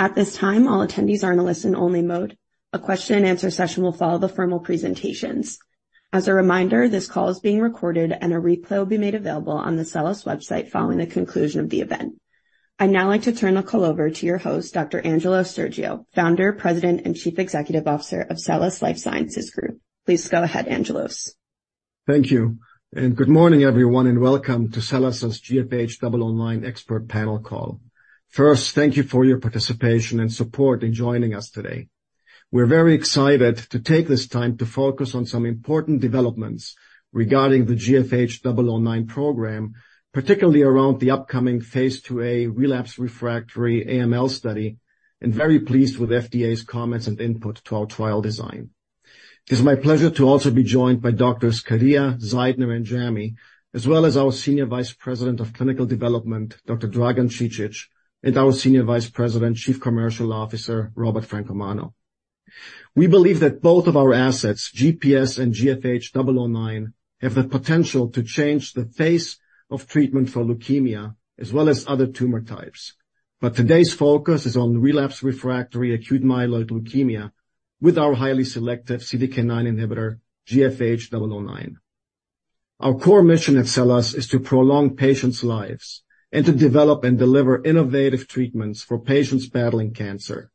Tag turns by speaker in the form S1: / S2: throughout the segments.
S1: At this time, all attendees are in a listen-only mode. A Q&A session will follow the formal presentations. As a reminder, this call is being recorded, and a replay will be made available on the SELLAS website following the conclusion of the event. I'd now like to turn the call over to your host, Dr. Angelos Stergiou, Founder, President, and Chief Executive Officer of SELLAS Life Sciences Group. Please go ahead, Angelos.
S2: Thank you, and good morning, everyone, and welcome to SELLAS's GFH009 expert panel call. First, thank you for your participation and support in joining us today. We're very excited to take this time to focus on some important developments regarding the GFH009 program, particularly around the upcoming phase IIa relapsed/refractory AML study, and very pleased with FDA's comments and input to our trial design. It's my pleasure to also be joined by doctors Kadia, Zeidner, and Jamy, as well as our Senior Vice President of Clinical Development, Dr. Dragan Cicic, and our Senior Vice President and Chief Commercial Officer, Robert Francomano. We believe that both of our assets, GPS and GFH009, have the potential to change the face of treatment for leukemia as well as other tumor types. Today's focus is on relapsed/refractory acute myeloid leukemia with our highly selective CDK9 inhibitor, GFH009. Our core mission at SELLAS is to prolong patients' lives and to develop and deliver innovative treatments for patients battling cancer.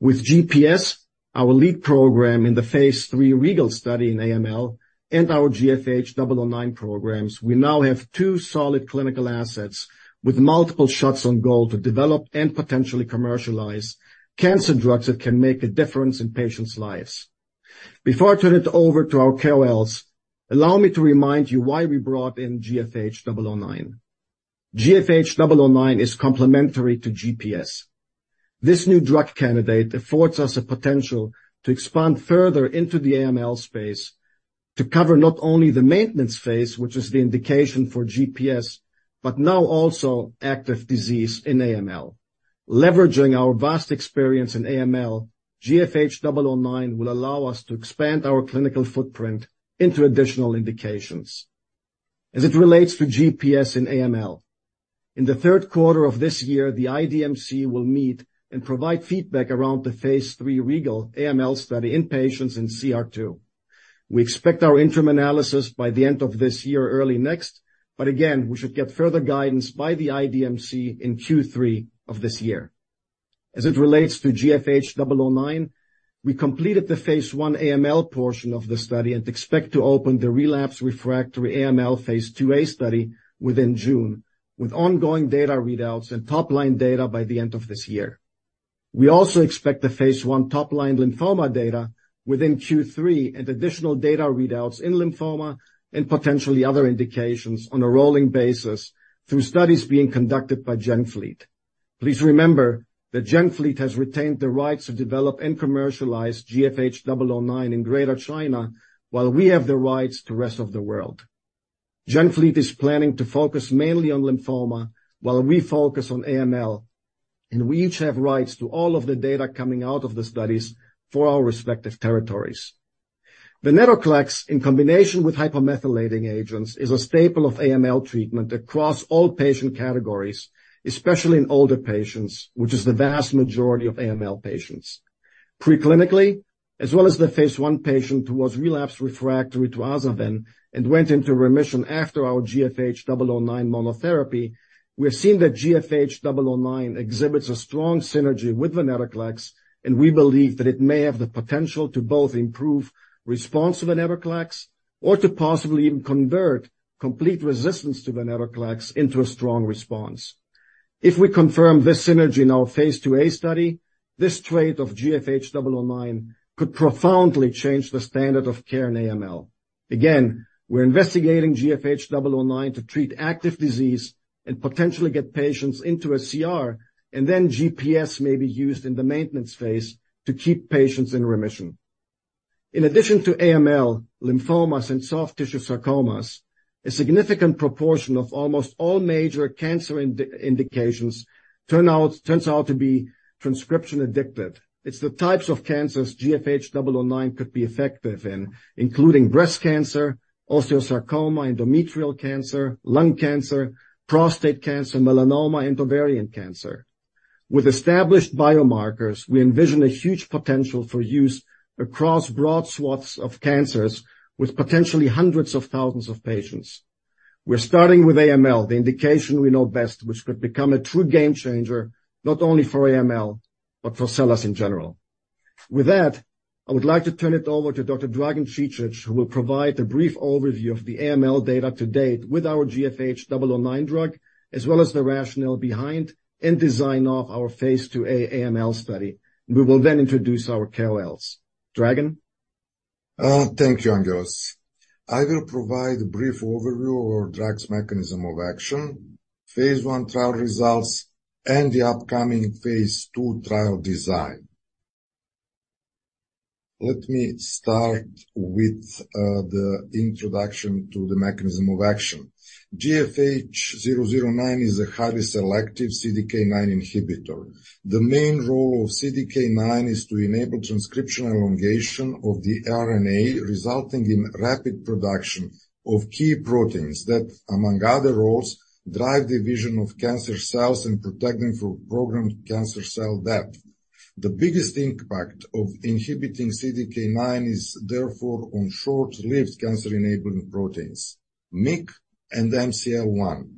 S2: With GPS, our lead program in the phase III REGAL study in AML and our GFH009 programs, we now have two solid clinical assets with multiple shots on goal to develop and potentially commercialize cancer drugs that can make a difference in patients' lives. Before I turn it over to our KOLs, allow me to remind you why we brought in GFH009. GFH009 is complementary to GPS. This new drug candidate affords us a potential to expand further into the AML space to cover not only the maintenance phase, which is the indication for GPS, but now also active disease in AML. Leveraging our vast experience in AML, GFH009 will allow us to expand our clinical footprint into additional indications. As it relates to GPS and AML, in the Q3 of this year, the IDMC will meet and provide feedback around the phase III REGAL AML study in patients in CR2. We expect our interim analysis by the end of this year or early next, but again, we should get further guidance by the IDMC in Q3 of this year. As it relates to GFH009, we completed the phase I AML portion of the study and expect to open the relapsed/refractory AML phase IIa study within June, with ongoing data readouts and top-line data by the end of this year. We also expect the phase I top-line lymphoma data within Q3 and additional data readouts in lymphoma and potentially other indications on a rolling basis through studies being conducted by GenFleet. Please remember that GenFleet has retained the rights to develop and commercialize GFH009 in Greater China, while we have the rights to the rest of the world. GenFleet is planning to focus mainly on lymphoma, while we focus on AML. We each have rights to all of the data coming out of the studies for our respective territories. Venetoclax, in combination with hypomethylating agents, is a staple of AML treatment across all patient categories, especially in older patients, which is the vast majority of AML patients. Preclinically, as well as the phase I patient who was relapsed refractory to AZA-VEN and went into remission after our GFH009 monotherapy, we have seen that GFH009 exhibits a strong synergy with venetoclax. We believe that it may have the potential to both improve response to venetoclax or to possibly even convert complete resistance to venetoclax into a strong response. If we confirm this synergy in our phase IIa study, this trait of GFH009 could profoundly change the standard of care in AML. Again, we're investigating GFH009 to treat active disease and potentially get patients into a CR, and then GPS may be used in the maintenance phase to keep patients in remission. In addition to AML, lymphomas, and soft tissue sarcomas, a significant proportion of almost all major cancer indications turns out to be transcription addicted. It's the types of cancers GFH009 could be effective in, including breast cancer, osteosarcoma, endometrial cancer, lung cancer, prostate cancer, melanoma, and ovarian cancer. With established biomarkers, we envision a huge potential for use across broad swaths of cancers with potentially hundreds of thousands of patients. We're starting with AML, the indication we know best, which could become a true game changer, not only for AML, but for SELLAS in general. With that, I would like to turn it over to Dr. Dragan Cicic, who will provide a brief overview of the AML data to date with our GFH009 drug, as well as the rationale behind and design of our phase IIa AML study. We will then introduce our KOLs. Dragan?
S3: Thank you, Angelos. I will provide a brief overview of our drug's mechanism of action, phase I trial results, and the upcoming phase II trial design. Let me start with the introduction to the mechanism of action. GFH009 is a highly selective CDK9 inhibitor. The main role of CDK9 is to enable transcription elongation of the RNA, resulting in rapid production of key proteins that, among other roles, drive the vision of cancer cells and protect them from programmed cancer cell death. The biggest impact of inhibiting CDK9 is therefore on short-lived cancer-enabling proteins, MYC and MCL1.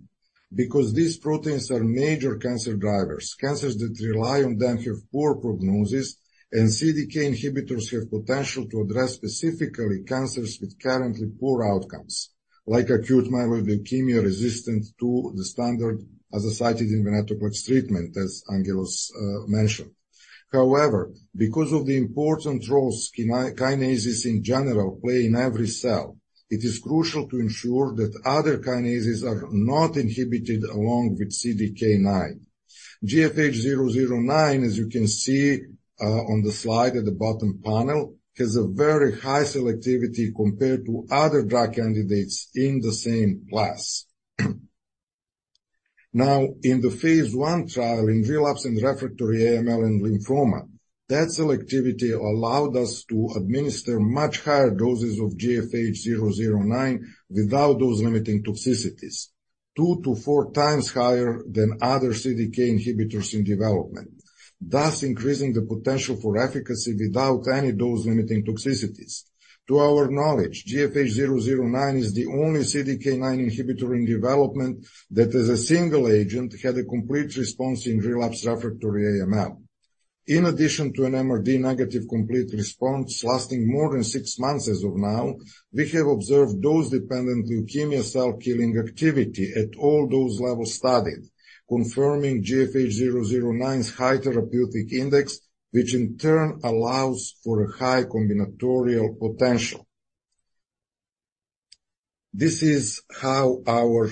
S3: These proteins are major cancer drivers, cancers that rely on them have poor prognosis, and CDK inhibitors have potential to address specifically cancers with currently poor outcomes, like acute myeloid leukemia, resistance to the standard azacitidine venetoclax treatment, as Angelos mentioned. However, because of the important roles kinases in general play in every cell, it is crucial to ensure that other kinases are not inhibited along with CDK9. GFH009, as you can see, on the slide at the bottom panel, has a very high selectivity compared to other drug candidates in the same class. Now, in the phase I trial, in relapsed and refractory AML and lymphoma, that selectivity allowed us to administer much higher doses of GFH009 without those limiting toxicities, 2-4 times higher than other CDK inhibitors in development, thus increasing the potential for efficacy without any dose-limiting toxicities. To our knowledge, GFH009 is the only CDK9 inhibitor in development that, as a single agent, had a complete response in relapsed/refractory AML. In addition to an MRD negative complete response lasting more than six months as of now, we have observed dose-dependent leukemia cell killing activity at all dose levels studied, confirming GFH009's high therapeutic index, which in turn allows for a high combinatorial potential. This is how our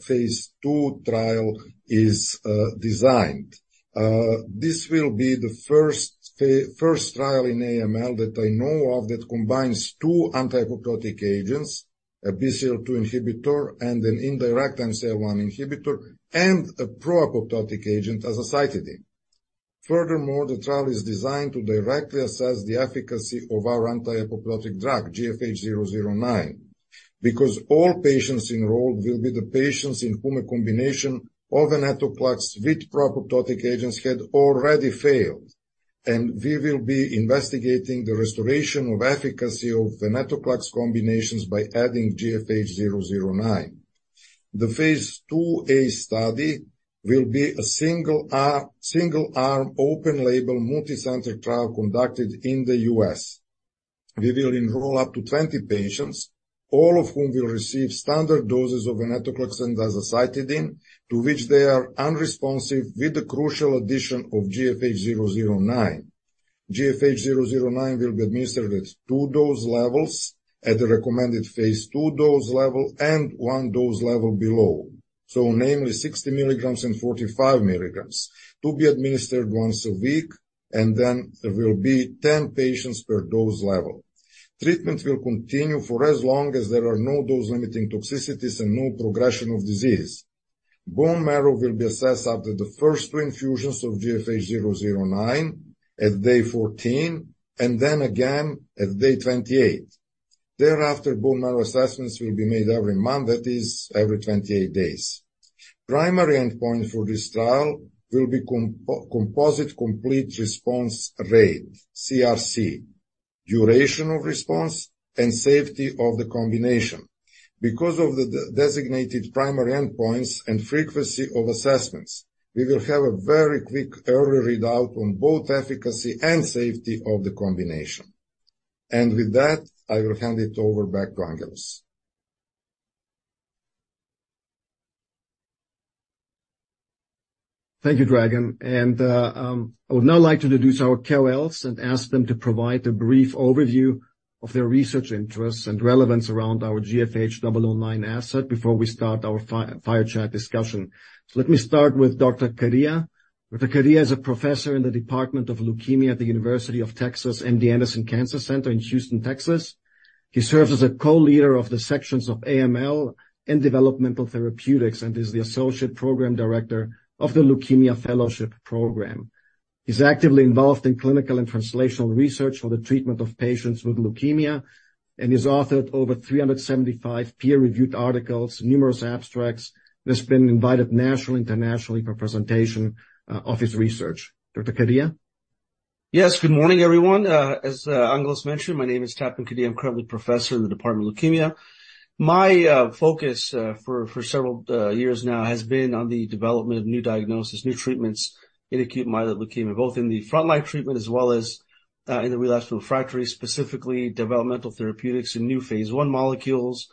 S3: phase II trial is designed. This will be the first trial in AML that I know of that combines two anti-apoptotic agents, a BCL2 inhibitor, and an indirect MCL1 inhibitor, and a pro-apoptotic agent, azacitidine. Furthermore, the trial is designed to directly assess the efficacy of our anti-apoptotic drug, GFH009. Because all patients enrolled will be the patients in whom a combination of venetoclax with pro-apoptotic agents had already failed, and we will be investigating the restoration of efficacy of venetoclax combinations by adding GFH009. The phase IIa study will be a single-arm, open-label, multicenter trial conducted in the U.S. We will enroll up to 20 patients, all of whom will receive standard doses of venetoclax and azacitidine, to which they are unresponsive, with the crucial addition of GFH009. GFH009 will be administered at two dose levels, at the recommended phase II dose level and one dose level below. Namely, 60 milligrams and 45 milligrams, to be administered once a week, there will be 10 patients per dose level. Treatment will continue for as long as there are no dose-limiting toxicities and no progression of disease. Bone marrow will be assessed after the first two infusions of GFH009 at day 14, again at day 28. Thereafter, bone marrow assessments will be made every month, that is, every 28 days. Primary endpoint for this trial will be composite complete response rate, CRC, duration of response, and safety of the combination. Because of the designated primary endpoints and frequency of assessments, we will have a very quick early readout on both efficacy and safety of the combination. With that, I will hand it over back to Angelos.
S2: Thank you, Dragan. I would now like to introduce our KOLs and ask them to provide a brief overview of their research interests and relevance around our GFH009 asset before we start our fireside chat discussion. Let me start with Dr. Kadia. Dr. Kadia is a professor in the Department of Leukemia at the University of Texas MD Anderson Cancer Center in Houston, Texas. He serves as a co-leader of the sections of AML and Developmental Therapeutics and is the Associate Program Director of the Leukemia Fellowship Program. He's actively involved in clinical and translational research for the treatment of patients with leukemia and has authored over 375 peer-reviewed articles, numerous abstracts, and has been invited national, internationally for presentation of his research. Dr. Kadia?
S4: Yes, good morning, everyone. As Angelos mentioned, my name is Tapan Kadia. I'm currently a professor in the Department of Leukemia. My focus for several years now has been on the development of new diagnosis, new treatments in acute myeloid leukemia, both in the frontline treatment as well as in the relapsed refractory, specifically developmental therapeutics and new phase I molecules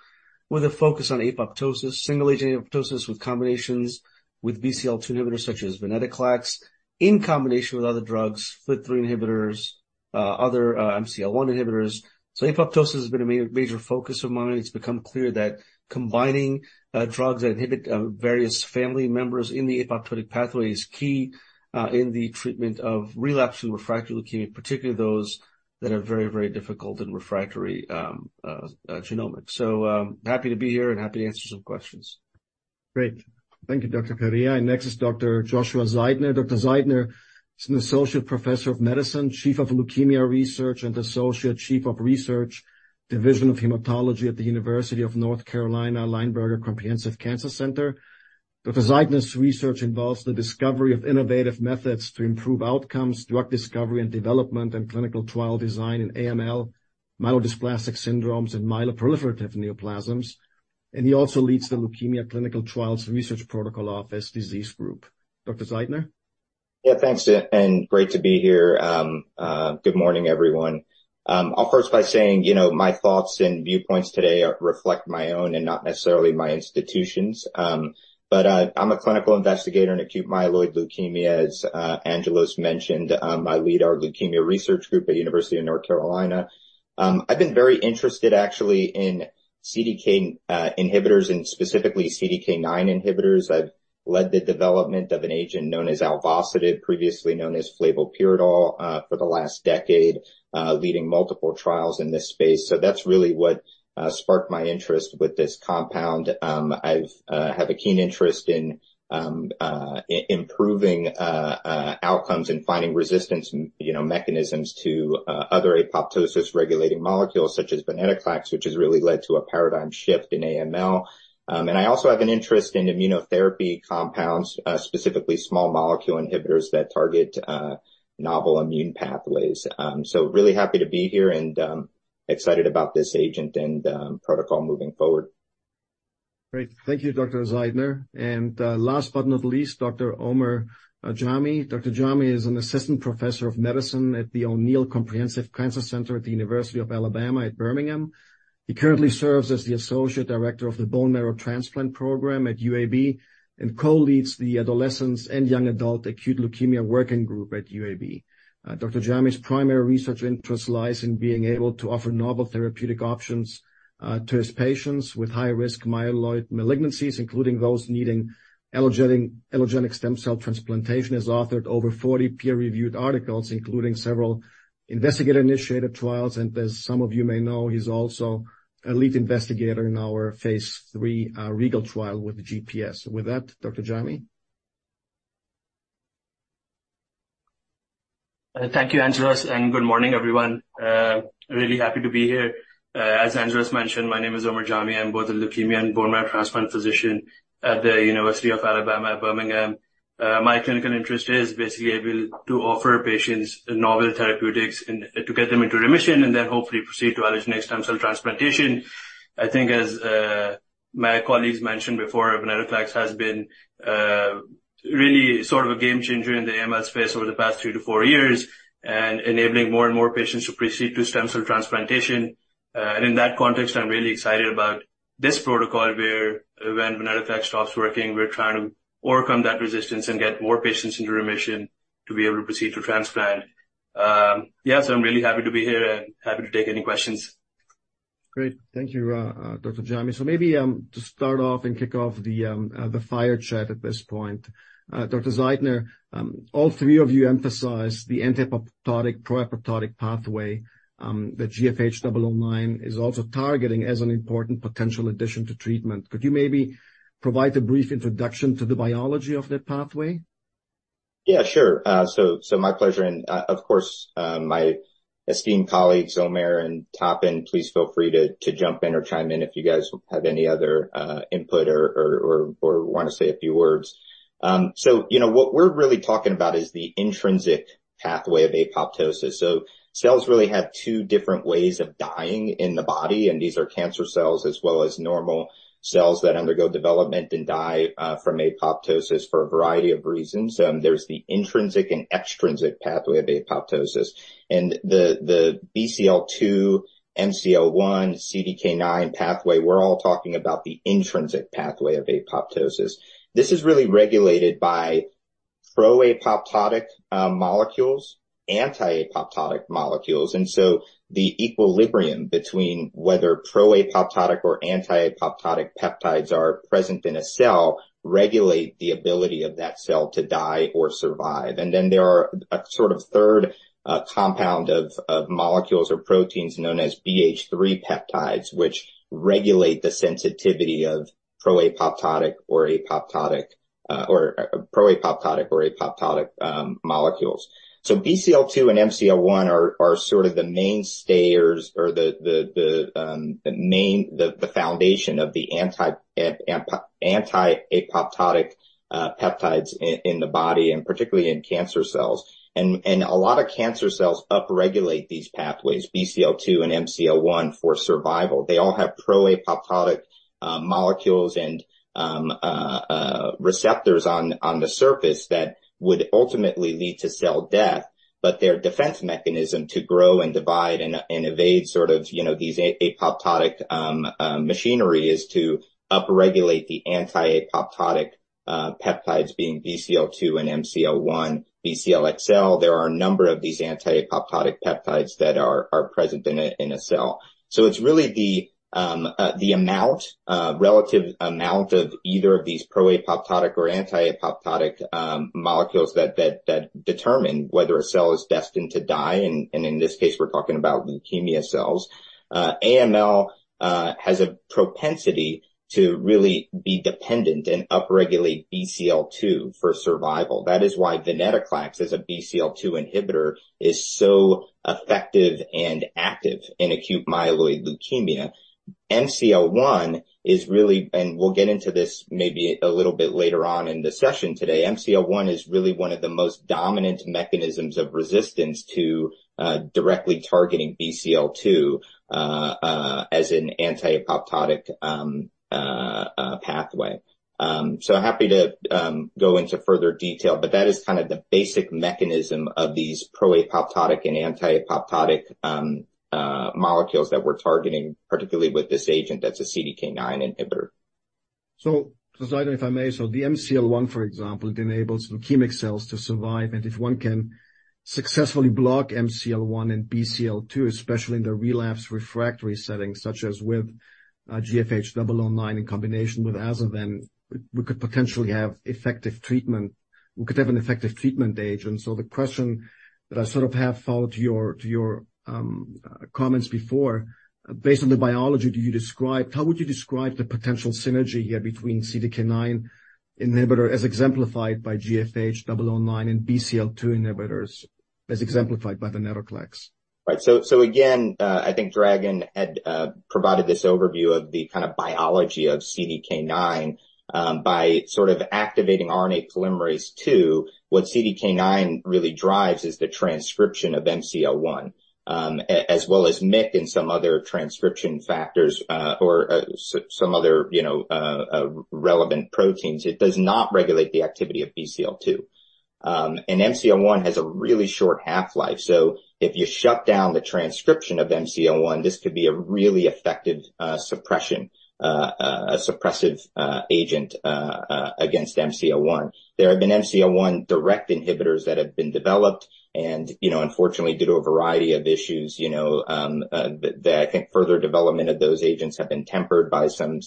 S4: with a focus on apoptosis- single-agent apoptosis with combinations with BCL2 inhibitors such as venetoclax, in combination with other drugs, FLT3 inhibitors, other MCL1 inhibitors. Apoptosis has been a major focus of mine. It's become clear that combining drugs that inhibit various family members in the apoptotic pathway is key in the treatment of relapsed and refractory leukemia, particularly those that are very, very difficult in refractory genomics. I'm happy to be here and happy to answer some questions.
S2: Great. Thank you, Dr. Kadia. Next is Dr. Joshua Zeidner. Dr. Zeidner is an Associate Professor of Medicine, Chief of Leukemia Research, and Associate Chief of Research, Division of Hematology at the University of North Carolina Lineberger Comprehensive Cancer Center. Dr. Zeidner's research involves the discovery of innovative methods to improve outcomes, drug discovery and development, and clinical trial design in AML, myelodysplastic syndromes, and myeloproliferative neoplasms. He also leads the Leukemia Clinical Trials Research Protocol Office Disease Group. Dr. Zeidner?
S5: Yeah, thanks, and great to be here. Good morning, everyone. I'll first by saying, you know, my thoughts and viewpoints today are reflect my own and not necessarily my institution's. I'm a clinical investigator in acute myeloid leukemia, as Angelos mentioned. I lead our leukemia research group at University of North Carolina. I've been very interested actually in CDK inhibitors and specifically CDK9 inhibitors. I've led the development of an agent known as alvocidib, previously known as flavopiridol, for the last decade, leading multiple trials in this space. That's really what sparked my interest with this compound. I've have a keen interest in improving outcomes and finding resistance, you know, mechanisms to other apoptosis-regulating molecules such as venetoclax, which has really led to a paradigm shift in AML. I also have an interest in immunotherapy compounds, specifically small molecule inhibitors that target novel immune pathways. Really happy to be here and excited about this agent and protocol moving forward.
S2: Great. Thank you, Dr. Zeidner. Last but not least, Dr. Omer Jamy. Dr. Jamy is an assistant professor of medicine at the O'Neal Comprehensive Cancer Center at the University of Alabama at Birmingham. He currently serves as the associate director of the bone marrow transplant program at UAB and co-leads the Adolescent and Young Adult Acute Leukemia Working Group at UAB. Dr. Jamy's primary research interest lies in being able to offer novel therapeutic options to his patients with high-risk myeloid malignancies, including those needing allogeneic stem cell transplantation. He's authored over 40 peer-reviewed articles, including several investigator-initiated trials, and as some of you may know, he's also a lead investigator in our phase III REGAL trial with GPS. With that, Dr. Jamy?
S6: Thank you, Angelos, and good morning, everyone. Really happy to be here. As Angelos mentioned, my name is Omer Jamy. I'm both a leukemia and bone marrow transplant physician at the University of Alabama at Birmingham. My clinical interest is basically able to offer patients novel therapeutics and to get them into remission and then hopefully proceed to allogeneic stem cell transplantation. I think, as my colleagues mentioned before, venetoclax has been really sort of a game changer in the AML space over the past 2-4 years and enabling more and more patients to proceed to stem cell transplantation. And in that context, I'm really excited about this protocol where when venetoclax stops working, we're trying to overcome that resistance and get more patients into remission to be able to proceed to transplant. Yeah, I'm really happy to be here and happy to take any questions.
S2: Great. Thank you, Dr. Jamy. Maybe, to start off and kick off the fireside chat at this point. Dr. Zeidner, all three of you emphasized the anti-apoptotic/pro-apoptotic pathway, that GFH009 is also targeting as an important potential addition to treatment. Could you maybe provide a brief introduction to the biology of that pathway?
S5: Yeah, sure. My pleasure, of course, my esteemed colleagues, Omer and Tapan, please feel free to jump in or chime in if you guys have any other input or want to say a few words. You know, what we're really talking about is the intrinsic pathway of apoptosis. Cells really have two different ways of dying in the body, and these are cancer cells as well as normal cells that undergo development and die from apoptosis for a variety of reasons. There's the intrinsic and extrinsic pathway of apoptosis and the BCL2, MCL1, CDK9 pathway, we're all talking about the intrinsic pathway of apoptosis. This is really regulated by pro-apoptotic molecules, anti-apoptotic molecules. The equilibrium between whether pro-apoptotic or anti-apoptotic peptides are present in a cell regulate the ability of that cell to die or survive. Then there are a sort of third compound of molecules or proteins known as BH3 peptides, which regulate the sensitivity of pro-apoptotic or apoptotic molecules. BCL2 and MCL1 are sort of the mainstays or the, the main foundation of the anti-apoptotic peptides in the body, and particularly in cancer cells. A lot of cancer cells upregulate these pathways, BCL2 and MCL1, for survival. They all have pro-apoptotic molecules and receptors on the surface that would ultimately lead to cell death, but their defense mechanism to grow and divide and evade sort of, you know, these apoptotic machinery is to upregulate the anti-apoptotic peptides, being BCL2 and MCL1, BCL-xL. There are a number of these anti-apoptotic peptides that are present in a cell. It's really the amount, relative amount of either of these pro-apoptotic or anti-apoptotic molecules that determine whether a cell is destined to die, and in this case, we're talking about leukemia cells. AML has a propensity to really be dependent and upregulate BCL2 for survival. That is why venetoclax, as a BCL2 inhibitor, is so effective and active in acute myeloid leukemia. MCL1 is really, and we'll get into this maybe a little bit later on in the session today, MCL1 is really one of the most dominant mechanisms of resistance to directly targeting BCL2 as an anti-apoptotic pathway. Happy to go into further detail, but that is kind of the basic mechanism of these pro-apoptotic and anti-apoptotic molecules that we're targeting, particularly with this agent that's a CDK9 inhibitor.
S2: Dr. Zeidner, if I may. The MCL1, for example, it enables leukemic cells to survive, and if one can successfully block MCL1 and BCL2, especially in the relapsed/refractory settings, such as with GFH009 in combination with AZA-VEN, we could potentially have effective treatment. We could have an effective treatment agent. The question that I sort of have followed to your comments before, based on the biology that you described, how would you describe the potential synergy here between CDK9 inhibitor, as exemplified by GFH009 and BCL2 inhibitors, as exemplified by venetoclax?
S5: Right. Again, I think Dragan had provided this overview of the kind of biology of CDK9, by sort of activating RNA polymerase II. What CDK9 really drives is the transcription of MCL1, as well as MYC and some other transcription factors, or some other, you know, relevant proteins. It does not regulate the activity of BCL2. MCL1 has a really short half-life, so if you shut down the transcription of MCL1, this could be a really effective suppression, a suppressive agent, against MCL1. There have been MCL1 direct inhibitors that have been developed and, you know, unfortunately, due to a variety of issues, you know, the, I think further development of those agents have been tempered by some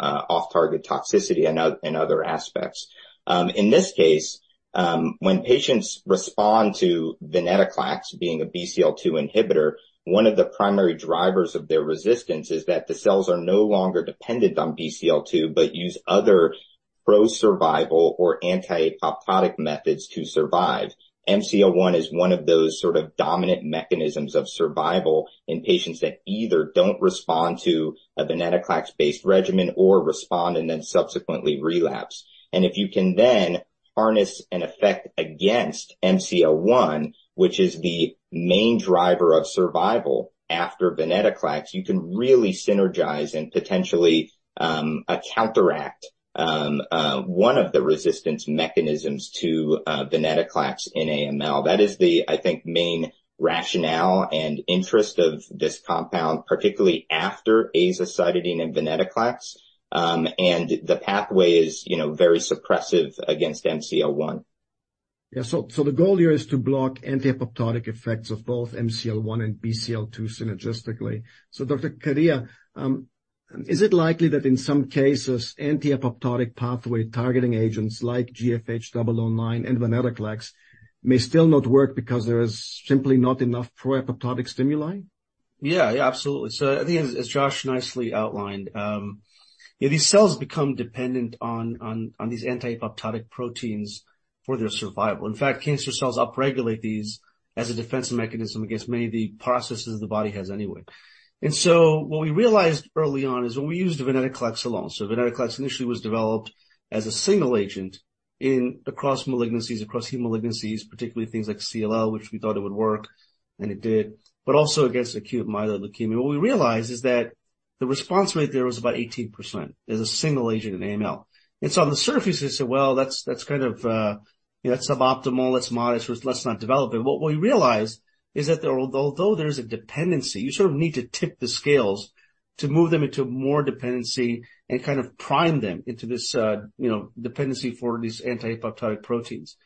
S5: off-target toxicity and other aspects. In this case, when patients respond to venetoclax being a BCL2 inhibitor, one of the primary drivers of their resistance is that the cells are no longer dependent on BCL2, but use other pro-survival or anti-apoptotic methods to survive. MCL1 is one of those sort of dominant mechanisms of survival in patients that either don't respond to a venetoclax-based regimen or respond and then subsequently relapse. If you can then harness an effect against MCL1, which is the main driver of survival after venetoclax, you can really synergize and potentially counteract one of the resistance mechanisms to venetoclax in AML. That is the, I think, main rationale and interest of this compound, particularly after azacitidine and venetoclax. The pathway is, you know, very suppressive against MCL1.
S2: Yeah. So the goal here is to block anti-apoptotic effects of both MCL1 and BCL2 synergistically. Dr. Kadia, is it likely that in some cases, anti-apoptotic pathway targeting agents like GFH009 and venetoclax may still not work because there is simply not enough pro-apoptotic stimuli?
S4: Yeah, absolutely. I think as Josh nicely outlined, these cells become dependent on these anti-apoptotic proteins for their survival. In fact, cancer cells upregulate these as a defensive mechanism against many of the processes the body has anyway. What we realized early on is when we used venetoclax alone. Venetoclax initially was developed as a single agent in across malignancies, across heme malignancies, particularly things like CLL, which we thought it would work, and it did, but also against acute myeloid leukemia. What we realized is that the response rate there was about 18% as a single agent in AML. On the surface, they said, "Well, that's kind of, you know, that's suboptimal, that's modest, let's not develop it." What we realized is that there, although there's a dependency, you sort of need to tip the scales to move them into more dependency and kind of prime them into this, you know, dependency for these anti-apoptotic proteins.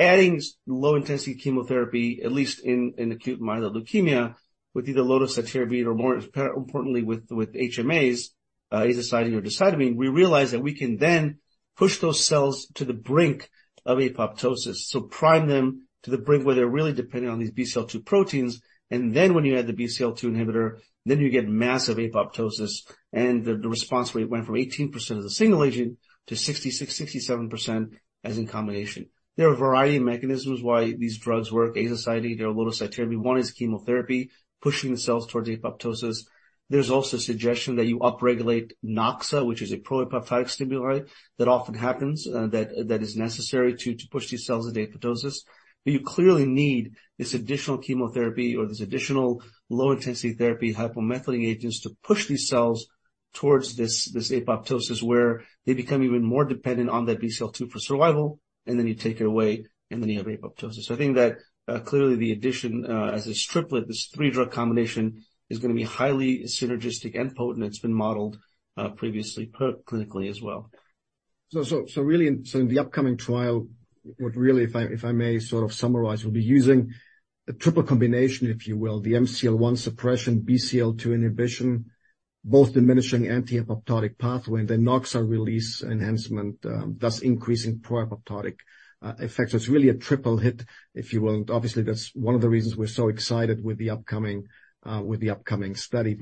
S4: Adding low-intensity chemotherapy, at least in acute myeloid leukemia, with either low-dose cytarabine or more importantly, with HMAs, azacitidine or decitabine, we realize that we can then push those cells to the brink of apoptosis. Prime them to the brink where they're really dependent on these BCL2 proteins, and then when you add the BCL2 inhibitor, then you get massive apoptosis, and the response rate went from 18% as a single agent to 66%-67% as in combination. There are a variety of mechanisms why these drugs work, azacitidine or low-dose cytarabine. One is chemotherapy, pushing the cells towards apoptosis. There's also a suggestion that you upregulate Noxa, which is a pro-apoptotic stimuli, that often happens, that is necessary to push these cells into apoptosis. You clearly need this additional chemotherapy or this additional low-intensity therapy, hypomethylating agents, to push these cells towards this apoptosis, where they become even more dependent on that BCL2 for survival, and then you take it away, and then you have apoptosis. I think that clearly the addition as this triplet, this 3-drug combination, is gonna be highly synergistic and potent. It's been modeled previously per clinically as well.
S2: Really in, so in the upcoming trial, what really, if I, if I may sort of summarize, we'll be using a triple combination, if you will, the MCL1 suppression, BCL2 inhibition, both diminishing anti-apoptotic pathway, and then Noxa release enhancement, thus increasing pro-apoptotic effect. It's really a triple hit, if you will. Obviously, that's one of the reasons we're so excited with the upcoming with the upcoming study.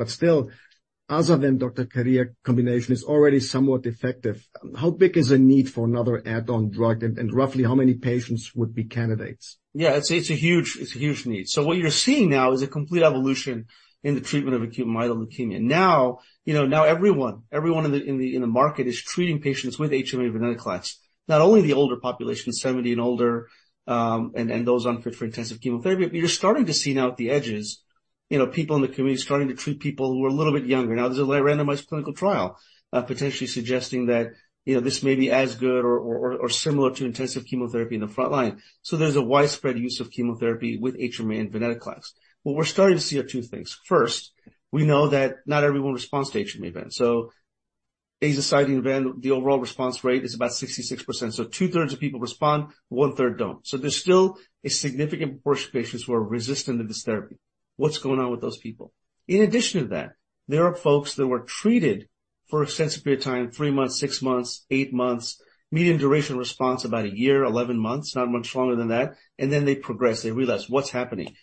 S2: Still other than Dr. Kadia, combination is already somewhat effective. How big is the need for another add-on drug, and roughly how many patients would be candidates?
S4: Yeah, it's a huge need. What you're seeing now is a complete evolution in the treatment of acute myeloid leukemia. You know, now everyone in the market is treating patients with HMA venetoclax. Not only the older population, 70 and older, and those unfit for intensive chemotherapy, but you're starting to see now at the edges, you know, people in the community starting to treat people who are a little bit younger. There's a randomized clinical trial, potentially suggesting that, you know, this may be as good or similar to intensive chemotherapy in the front line. There's a widespread use of chemotherapy with HMA and venetoclax. We're starting to see two things. First, we know that not everyone responds to HMA-VEN. Azacitidine ven, the overall response rate is about 66%. Two-thirds of people respond, one-third don't. There's still a significant portion of patients who are resistant to this therapy. What's going on with those people? In addition to that, there are folks that were treated for extensive period of time, three months, six months, eight months, median duration response, about a year, 11 months, not much longer than that, and then they progress. They realize what's happening.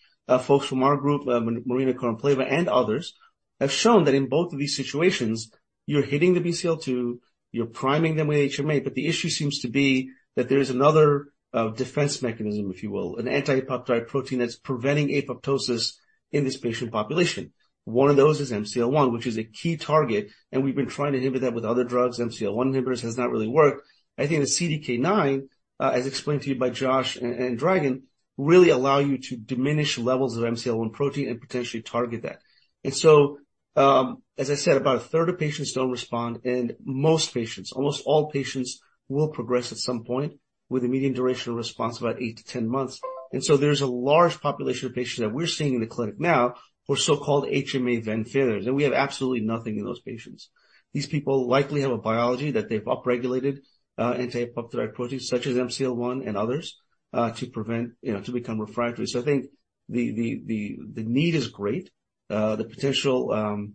S4: Folks from our group, Marina Konopleva and others, have shown that in both of these situations, you're hitting the BCL2, you're priming them with HMA, but the issue seems to be that there is another defense mechanism, if you will, an anti-apoptotic protein that's preventing apoptosis in this patient population. One of those is MCL1, which is a key target, and we've been trying to inhibit that with other drugs. MCL1 inhibitors has not really worked. I think the CDK9, as explained to you by Josh and Dragan, really allow you to diminish levels of MCL1 protein and potentially target that. As I said, about a third of patients don't respond, and most patients, almost all patients will progress at some point with a median duration of response, about 8-10 months. There's a large population of patients that we're seeing in the clinic now who are so-called HMA-VEN failures, and we have absolutely nothing in those patients. These people likely have a biology that they've upregulated, anti-apoptotic proteins such as MCL1 and others, to prevent, you know, to become refractory. I think the need is great. The potential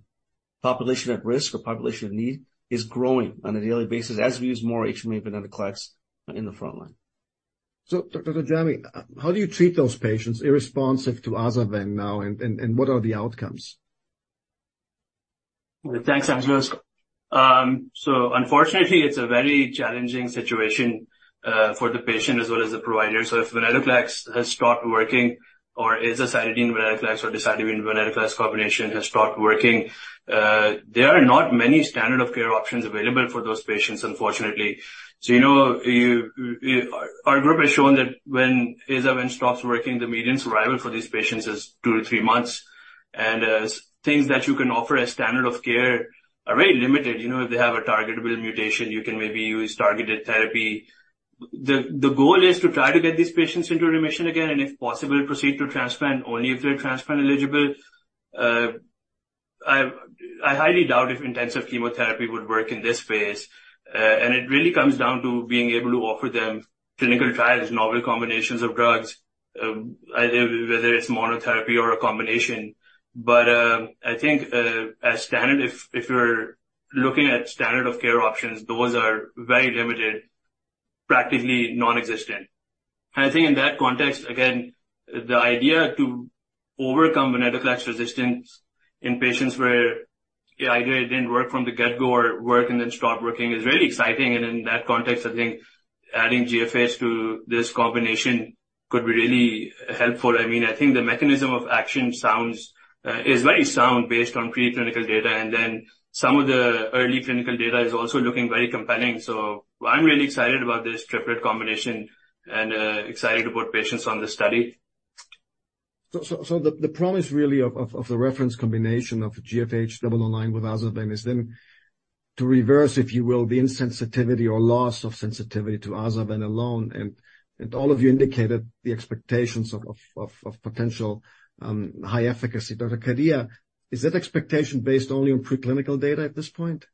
S4: population at risk or population of need is growing on a daily basis as we use more HMA venetoclax in the front line.
S2: Dr. Jamy, how do you treat those patients unresponsive to AZA-VEN now, and what are the outcomes?
S6: Thanks, Angelos. Unfortunately, it's a very challenging situation for the patient as well as the provider. If venetoclax has stopped working or azacitidine, venetoclax or azacitidine, venetoclax combination has stopped working, there are not many standard of care options available for those patients, unfortunately. You know, Our group has shown that when AZA-VEN stops working, the median survival for these patients is 2 to 3 months. As things that you can offer as standard of care are very limited, you know, if they have a targetable mutation, you can maybe use targeted therapy. The goal is to try to get these patients into remission again, and if possible, proceed to transplant only if they're transplant eligible. I highly doubt if intensive chemotherapy would work in this phase. It really comes down to being able to offer them clinical trials, novel combinations of drugs, whether it's monotherapy or a combination. I think as standard, if you're looking at standard of care options, those are very limited, practically non-existent. I think in that context, again, the idea to overcome venetoclax resistance in patients where, yeah, either it didn't work from the get-go or it worked and then stopped working, is really exciting. In that context, I think adding GFH009 to this combination could be really helpful. I mean, I think the mechanism of action sounds is very sound based on preclinical data, and then some of the early clinical data is also looking very compelling. I'm really excited about this triplet combination and excited to put patients on this study.
S2: The promise really of the reference combination of GFH009 with AZA-VEN is then to reverse, if you will, the insensitivity or loss of sensitivity to AZA-VEN alone. All of you indicated the expectations of potential high efficacy. Dr. Kadia, is that expectation based only on preclinical data at this point?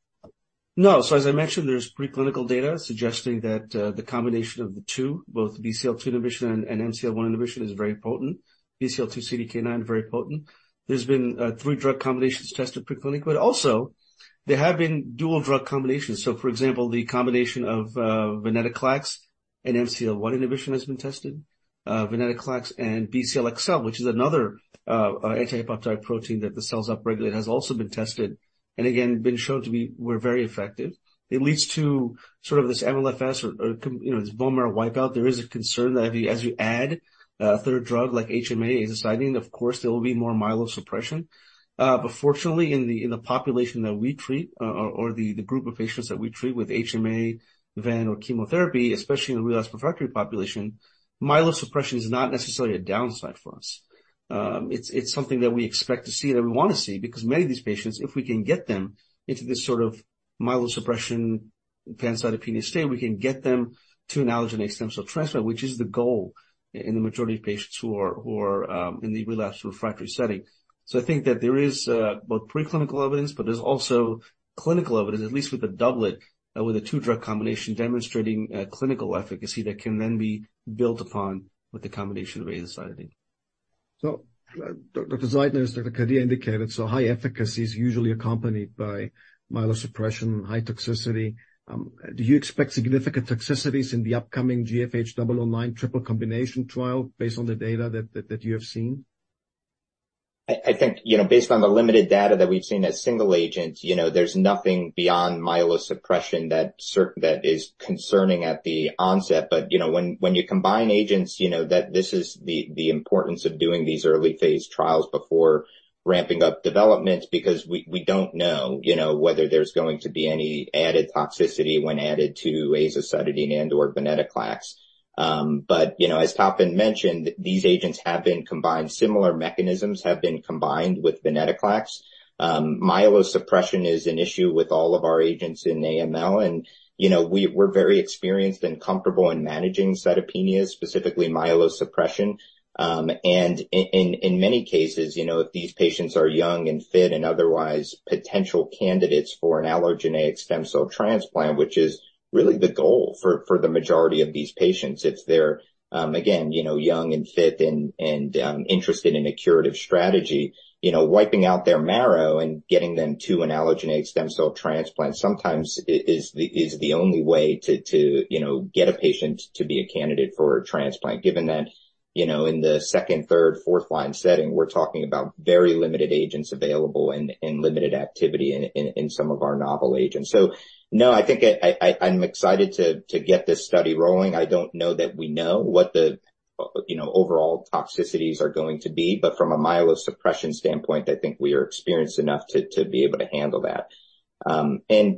S4: As I mentioned, there's preclinical data suggesting that the combination of the two, both BCL2 inhibition and MCL1 inhibition, is very potent. BCL2 CDK9, very potent. There's been three drug combinations tested preclinically, but also there have been dual drug combinations. For example, the combination of venetoclax and MCL1 inhibition has been tested, venetoclax and BCL-xL, which is another anti-apoptotic protein that the cells upregulate, has also been tested and again, been shown to be were very effective. It leads to sort of this MLFS or, you know, this bone marrow wipeout. There is a concern that as you add a third drug like HMA, azacitidine, of course, there will be more myelosuppression. Fortunately, in the population that we treat, or the group of patients that we treat with HMA, ven, or chemotherapy, especially in the relapsed refractory population, myelosuppression is not necessarily a downside for us. It's something that we expect to see and we want to see, because many of these patients, if we can get them into this sort of myelosuppression pancytopenia state, we can get them to an allogeneic stem cell transplant, which is the goal in the majority of patients who are in the relapsed refractory setting. I think that there is both preclinical evidence, but there's also clinical evidence, at least with a doublet, with a two-drug combination, demonstrating clinical efficacy that can then be built upon with the combination of azacitidine.
S2: Dr. Zeidner, as Dr. Kadia indicated, so high efficacy is usually accompanied by myelosuppression and high toxicity. Do you expect significant toxicities in the upcoming GFH009 triple combination trial based on the data that you have seen?
S5: I think, you know, based on the limited data that we've seen as single agent, you know, there's nothing beyond myelosuppression that is concerning at the onset. When, you know, when you combine agents, you know, that this is the importance of doing these early phase trials before ramping up development, because we don't know, you know, whether there's going to be any added toxicity when added to azacitidine and/or venetoclax. As, you know, Tapan mentioned, these agents have been combined. Similar mechanisms have been combined with venetoclax. Myelosuppression is an issue with all of our agents in AML, and, you know, we're very experienced and comfortable in managing cytopenias, specifically myelosuppression. In many cases, you know, if these patients are young and fit and otherwise potential candidates for an allogeneic stem cell transplant, which is really the goal for the majority of these patients, it's their. Again, you know, young and fit and interested in a curative strategy. You know, wiping out their marrow and getting them to an allogeneic stem cell transplant sometimes is the only way to, you know, get a patient to be a candidate for a transplant. Given that, you know, in the second, third, fourth line setting, we're talking about very limited agents available and limited activity in some of our novel agents. No, I think I'm excited to get this study rolling. I don't know that we know what the, you know, overall toxicities are going to be, but from a myelosuppression standpoint, I think we are experienced enough to be able to handle that.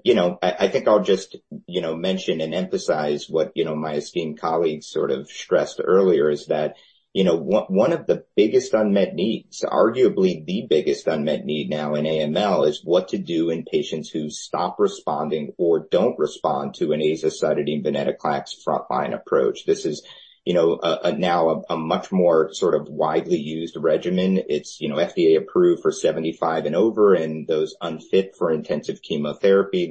S5: You know, I think I'll just, you know, mention and emphasize what, you, my esteemed colleagues sort of stressed earlier, is that, you know, one of the biggest unmet needs, arguably the biggest unmet need now in AML, is what to do in patients who stop responding or don't respond to an azacitidine, venetoclax frontline approach. This is, you know, a now a much more sort of widely used regimen. It's, you know, FDA approved for 75 and over, and those unfit for intensive chemotherapy.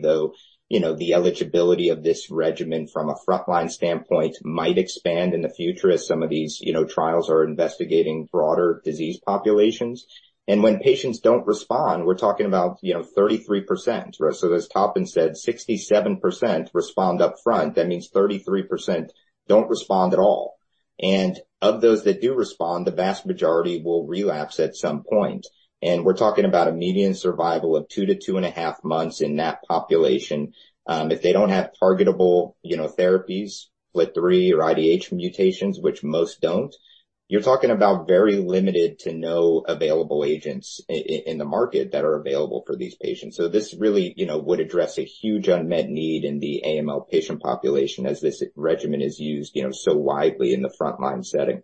S5: You know, the eligibility of this regimen from a frontline standpoint might expand in the future as some of these, you know, trials are investigating broader disease populations. When patients don't respond, we're talking about, you know, 33%. As Tapan said, 67% respond upfront. That means 33% don't respond at all. Of those that do respond, the vast majority will relapse at some point. We're talking about a median survival of 2 to 2.5 months in that population. If they don't have targetable, you know, therapies, FLT3 or IDH mutations, which most don't, you're talking about very limited to no available agents in the market that are available for these patients. This really, you know, would address a huge unmet need in the AML patient population as this regimen is used, you know, so widely in the frontline setting.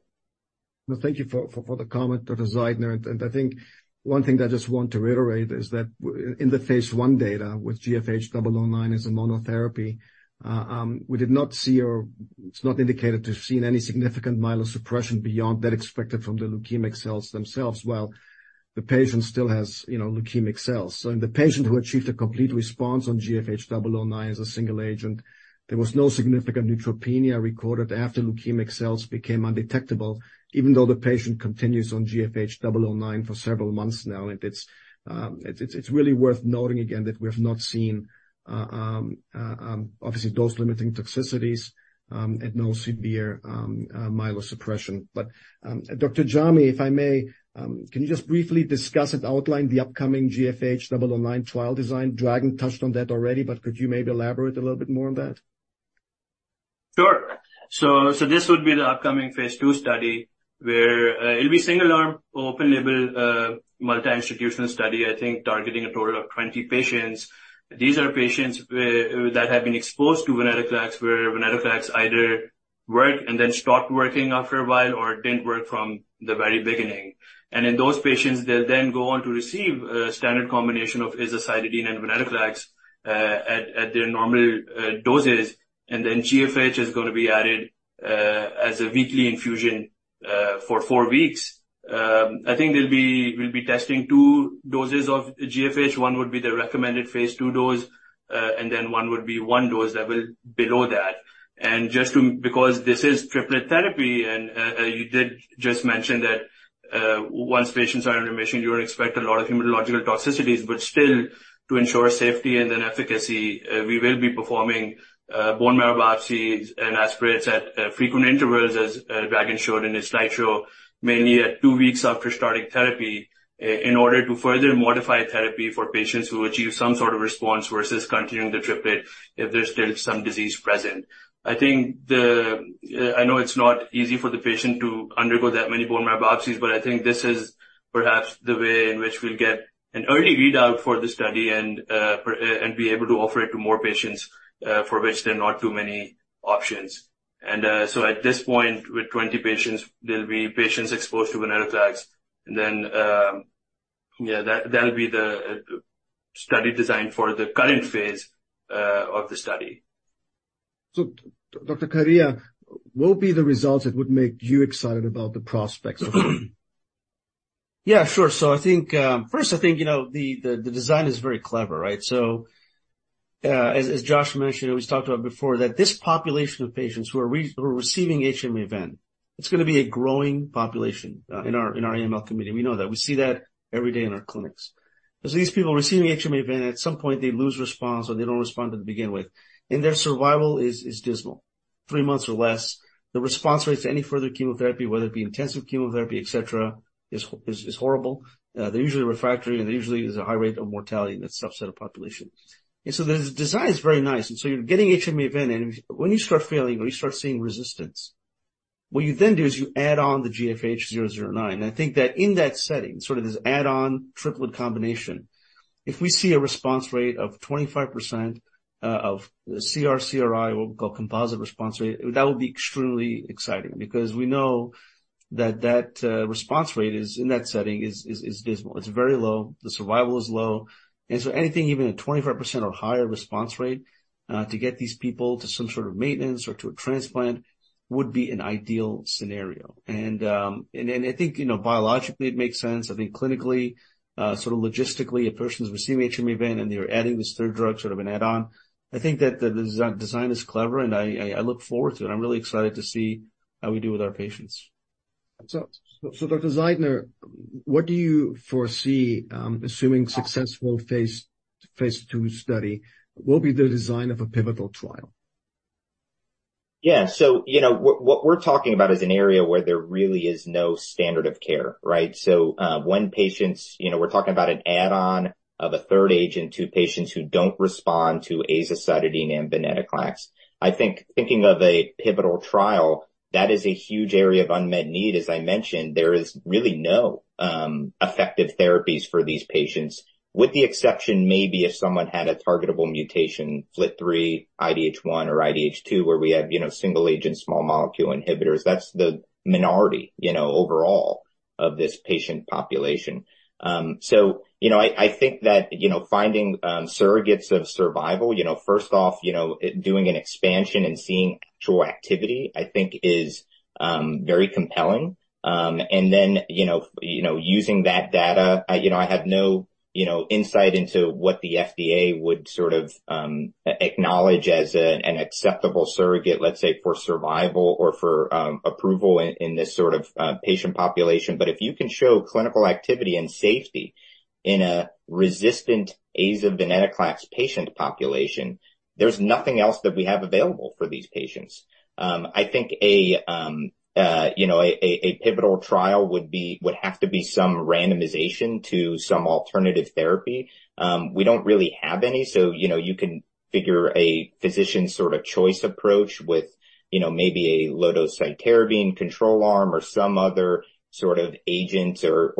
S2: Well, thank you for the comment, Dr. Zeidner. I think one thing I just want to reiterate is that in the phase I data with GFH009 as a monotherapy, we did not see or it's not indicated to have seen any significant myelosuppression beyond that expected from the leukemic cells themselves, while the patient still has, you know, leukemic cells. In the patient who achieved a complete response on GFH009 as a single agent, there was no significant neutropenia recorded after leukemic cells became undetectable, even though the patient continues on GFH009 for several months now. It's really worth noting again that we have not seen obviously, dose-limiting toxicities and no severe myelosuppression. Dr. Jamy, if I may, can you just briefly discuss and outline the upcoming GFH009 trial design? Dragan touched on that already, could you maybe elaborate a little bit more on that?
S6: Sure. This would be the upcoming phase II study, where it'll be single arm, open label, multi-institutional study, I think targeting a total of 20 patients. These are patients that have been exposed to venetoclax, where venetoclax either worked and then stopped working after a while or didn't work from the very beginning. In those patients, they'll then go on to receive a standard combination of azacitidine and venetoclax, at their normal doses, and then GFH is going to be added as a weekly infusion for 4 weeks. I think we'll be testing 2 doses of GFH. One would be the recommended phase II dose, and then one would be one dose that will below that. Just because this is triplet therapy, you did just mention that once patients are in remission, you would expect a lot of hematological toxicities, but still, to ensure safety and then efficacy, we will be performing bone marrow biopsies and aspirates at frequent intervals, as Dragan showed in his slideshow, mainly at two weeks after starting therapy, in order to further modify therapy for patients who achieve some sort of response versus continuing the triplet if there's still some disease present. I know it's not easy for the patient to undergo that many bone marrow biopsies, but I think this is perhaps the way in which we'll get an early readout for the study and be able to offer it to more patients for which there are not too many options. At this point, with 20 patients, there'll be patients exposed to venetoclax, and then, that'll be the study design for the current phase of the study.
S2: Dr. Kadia, what would be the results that would make you excited about the prospects of it?
S4: Yeah, sure. I think, first, I think, you know, the design is very clever, right? As Josh mentioned, and we've talked about before, that this population of patients who are receiving HMA-VEN, it's gonna be a growing population in our AML community. We know that. We see that every day in our clinics. As these people receiving HMA-VEN, at some point, they lose response or they don't respond to begin with, and their survival is dismal- three months or less. The response rate to any further chemotherapy, whether it be intensive chemotherapy, et cetera, is horrible. They're usually refractory, and usually there's a high rate of mortality in that subset of population. The design is very nice, and so you're getting HMA-VEN, and when you start failing or you start seeing resistance, what you then do is you add on the GFH009. I think that in that setting, sort of this add-on triplet combination, if we see a response rate of 25%, of CR/CRI, what we call composite response rate, that would be extremely exciting because we know that that response rate is, in that setting, is dismal. It's very low, the survival is low, Anything, even a 25% or higher response rate, to get these people to some sort of maintenance or to a transplant would be an ideal scenario. I think, you know, biologically, it makes sense. I think clinically, sort of logistically, a person's receiving HMA-VEN, and they're adding this third drug, sort of an add-on. I think that the design is clever, and I look forward to it. I'm really excited to see how we do with our patients.
S2: Dr. Zeidner, what do you foresee, assuming successful phase II study, will be the design of a pivotal trial?
S5: Yeah. You know, what we're talking about is an area where there really is no standard of care, right? When, you know, we're talking about an add-on of a third agent to patients who don't respond to azacitidine and venetoclax. I think thinking of a pivotal trial, that is a huge area of unmet need. As I mentioned, there is really no effective therapies for these patients, with the exception maybe if someone had a targetable mutation, FLT3, IDH1, or IDH2, where we have, you know, single-agent, small molecule inhibitors. That's the minority, you know, overall of this patient population. You know, I think that, you know, finding surrogates of survival, you know, first off, you know, doing an expansion and seeing actual activity, I think is very compelling. You know, you know, using that data, you know, I have no, you know, insight into what the FDA would sort of acknowledge as an acceptable surrogate, let's say, for survival or for approval in this sort of patient population. If you can show clinical activity and safety in a resistant AZA venetoclax patient population, there's nothing else that we have available for these patients. I think a, you know, a pivotal trial would have to be some randomization to some alternative therapy. We don't really have any, so, you know, you can figure a physician sort of choice approach with, you know, maybe a low-dose cytarabine control arm or some other sort of agents or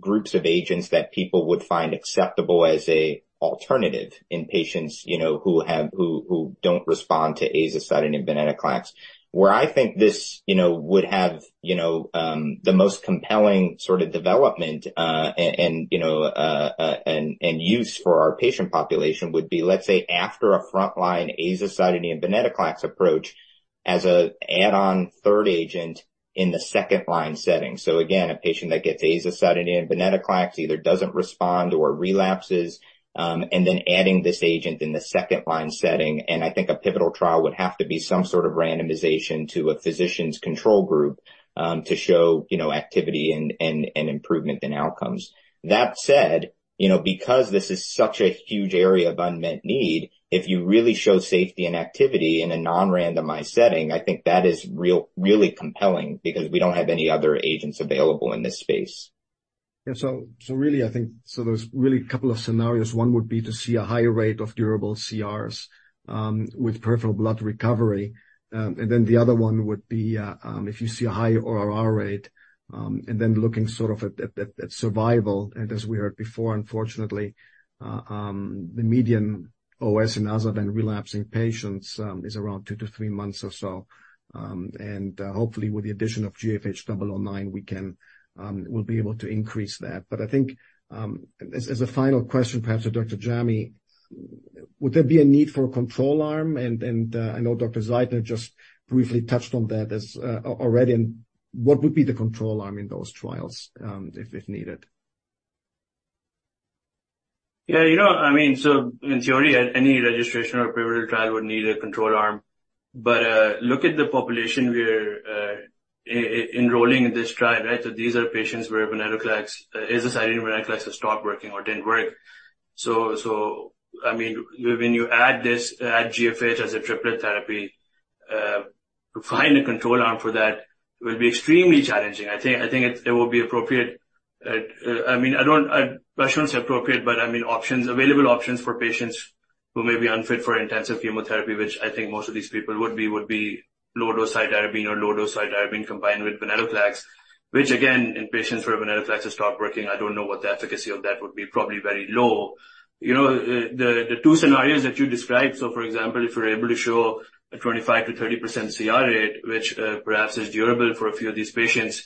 S5: groups of agents that people would find acceptable as an alternative in patients, you know, who don't respond to azacitidine and venetoclax. Where I think this, you know, would have, you know, the most compelling sort of development, and, you know, and use for our patient population would be, let's say, after a frontline azacitidine and venetoclax approach as an add-on third agent in the second-line setting. Again, a patient that gets azacitidine and venetoclax either doesn't respond or relapses, and then adding this agent in the second-line setting. I think a pivotal trial would have to be some sort of randomization to a physician's control group, to show, you know, activity and improvement in outcomes. That said, you know, because this is such a huge area of unmet need, if you really show safety and activity in a non-randomized setting, I think that is really compelling because we don't have any other agents available in this space.
S2: Yeah, really, I think there's really a couple of scenarios. One would be to see a higher rate of durable CRs with peripheral blood recovery. The other one would be if you see a high ORR rate, and then looking sort of at survival. As we heard before, unfortunately, the median OS in azacitidine and relapsing patients is around 2 to 3 months or so. Hopefully, with the addition of GFH009, we can, we'll be able to increase that. I think, as a final question, perhaps to Dr. Jamy, would there be a need for a control arm? I know Dr. Zeidner just briefly touched on that already. What would be the control arm in those trials, if needed?
S6: Yeah, you know, I mean, in theory, any registration or pivotal trial would need a control arm. Look at the population we're enrolling in this trial, right? These are patients where venetoclax, azacitidine and venetoclax has stopped working or didn't work. I mean, when you add this, add GFH as a triplet therapy, to find a control arm for that will be extremely challenging. I think it will be appropriate, I mean, I shouldn't say appropriate, but I mean, options, available options for patients who may be unfit for intensive chemotherapy, which I think most of these people would be, would be low-dose cytarabine or low-dose cytarabine combined with venetoclax. Which again, in patients where venetoclax has stopped working, I don't know what the efficacy of that would be, probably very low. You know, the two scenarios that you described, so for example, if you're able to show a 25%-30% CR rate, which perhaps is durable for a few of these patients,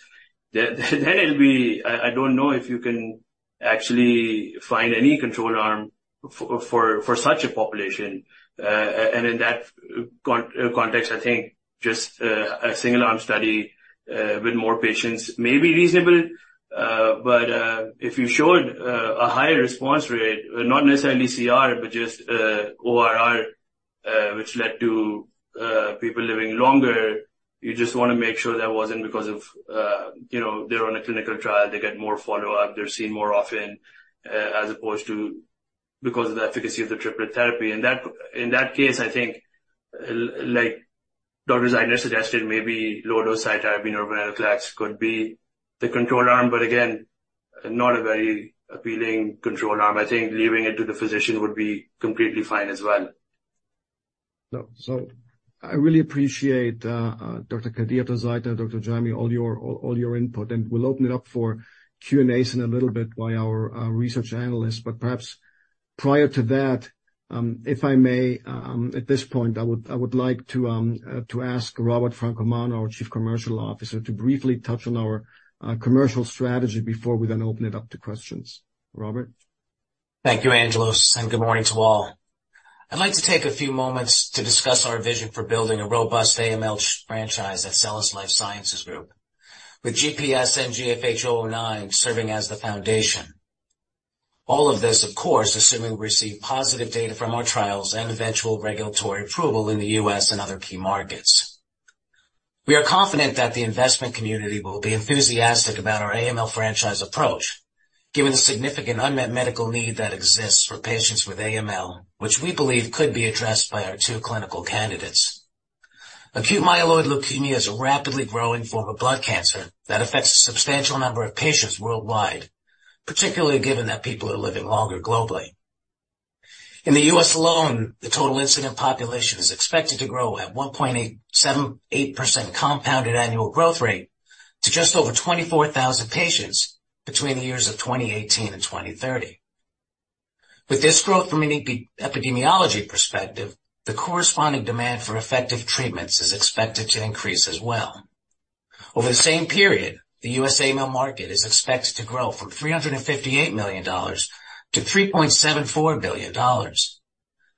S6: then it'll be. I don't know if you can actually find any control arm for such a population. In that context, I think just a single arm study with more patients may be reasonable. If you showed a higher response rate, not necessarily CR, but just ORR, which led to people living longer, you just wanna make sure that wasn't because of, you know, they're on a clinical trial, they get more follow-up, they're seen more often, as opposed to- because of the efficacy of the triplet therapy. That, in that case, I think, like Dr. Zeidner suggested, maybe low-dose cytarabine or venetoclax could be the control arm, but again, not a very appealing control arm. I think leaving it to the physician would be completely fine as well.
S2: I really appreciate Dr. Kadia, Zeidner, Dr. Jamy, all your input, and we'll open it up for Q&As in a little bit by our research analysts. Perhaps prior to that, if I may, at this point, I would like to ask Robert Francomano, our Chief Commercial Officer, to briefly touch on our commercial strategy before we then open it up to questions. Robert?
S7: Thank you, Angelos. Good morning to all. I'd like to take a few moments to discuss our vision for building a robust AML franchise at SELLAS Life Sciences Group, with GPS and GFH009 serving as the foundation. All of this, of course, assuming we receive positive data from our trials and eventual regulatory approval in the U.S. and other key markets. We are confident that the investment community will be enthusiastic about our AML franchise approach, given the significant unmet medical need that exists for patients with AML, which we believe could be addressed by our two clinical candidates. Acute myeloid leukemia is a rapidly growing form of blood cancer that affects a substantial number of patients worldwide, particularly given that people are living longer globally. In the U.S. alone, the total incident population is expected to grow at 1.878% compounded annual growth rate to just over 24,000 patients between the years of 2018 and 2030. With this growth from an epidemiology perspective, the corresponding demand for effective treatments is expected to increase as well. Over the same period, the U.S. AML market is expected to grow from $358 million to $3.74 billion.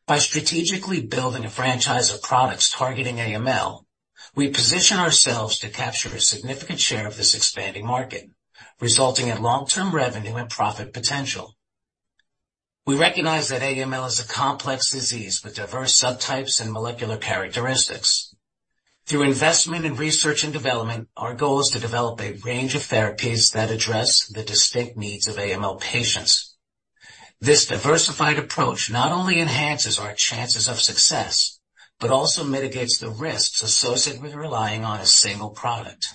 S7: By strategically building a franchise of products targeting AML, we position ourselves to capture a significant share of this expanding market, resulting in long-term revenue and profit potential. We recognize that AML is a complex disease with diverse subtypes and molecular characteristics. Through investment in research and development, our goal is to develop a range of therapies that address the distinct needs of AML patients. This diversified approach not only enhances our chances of success, but also mitigates the risks associated with relying on a single product.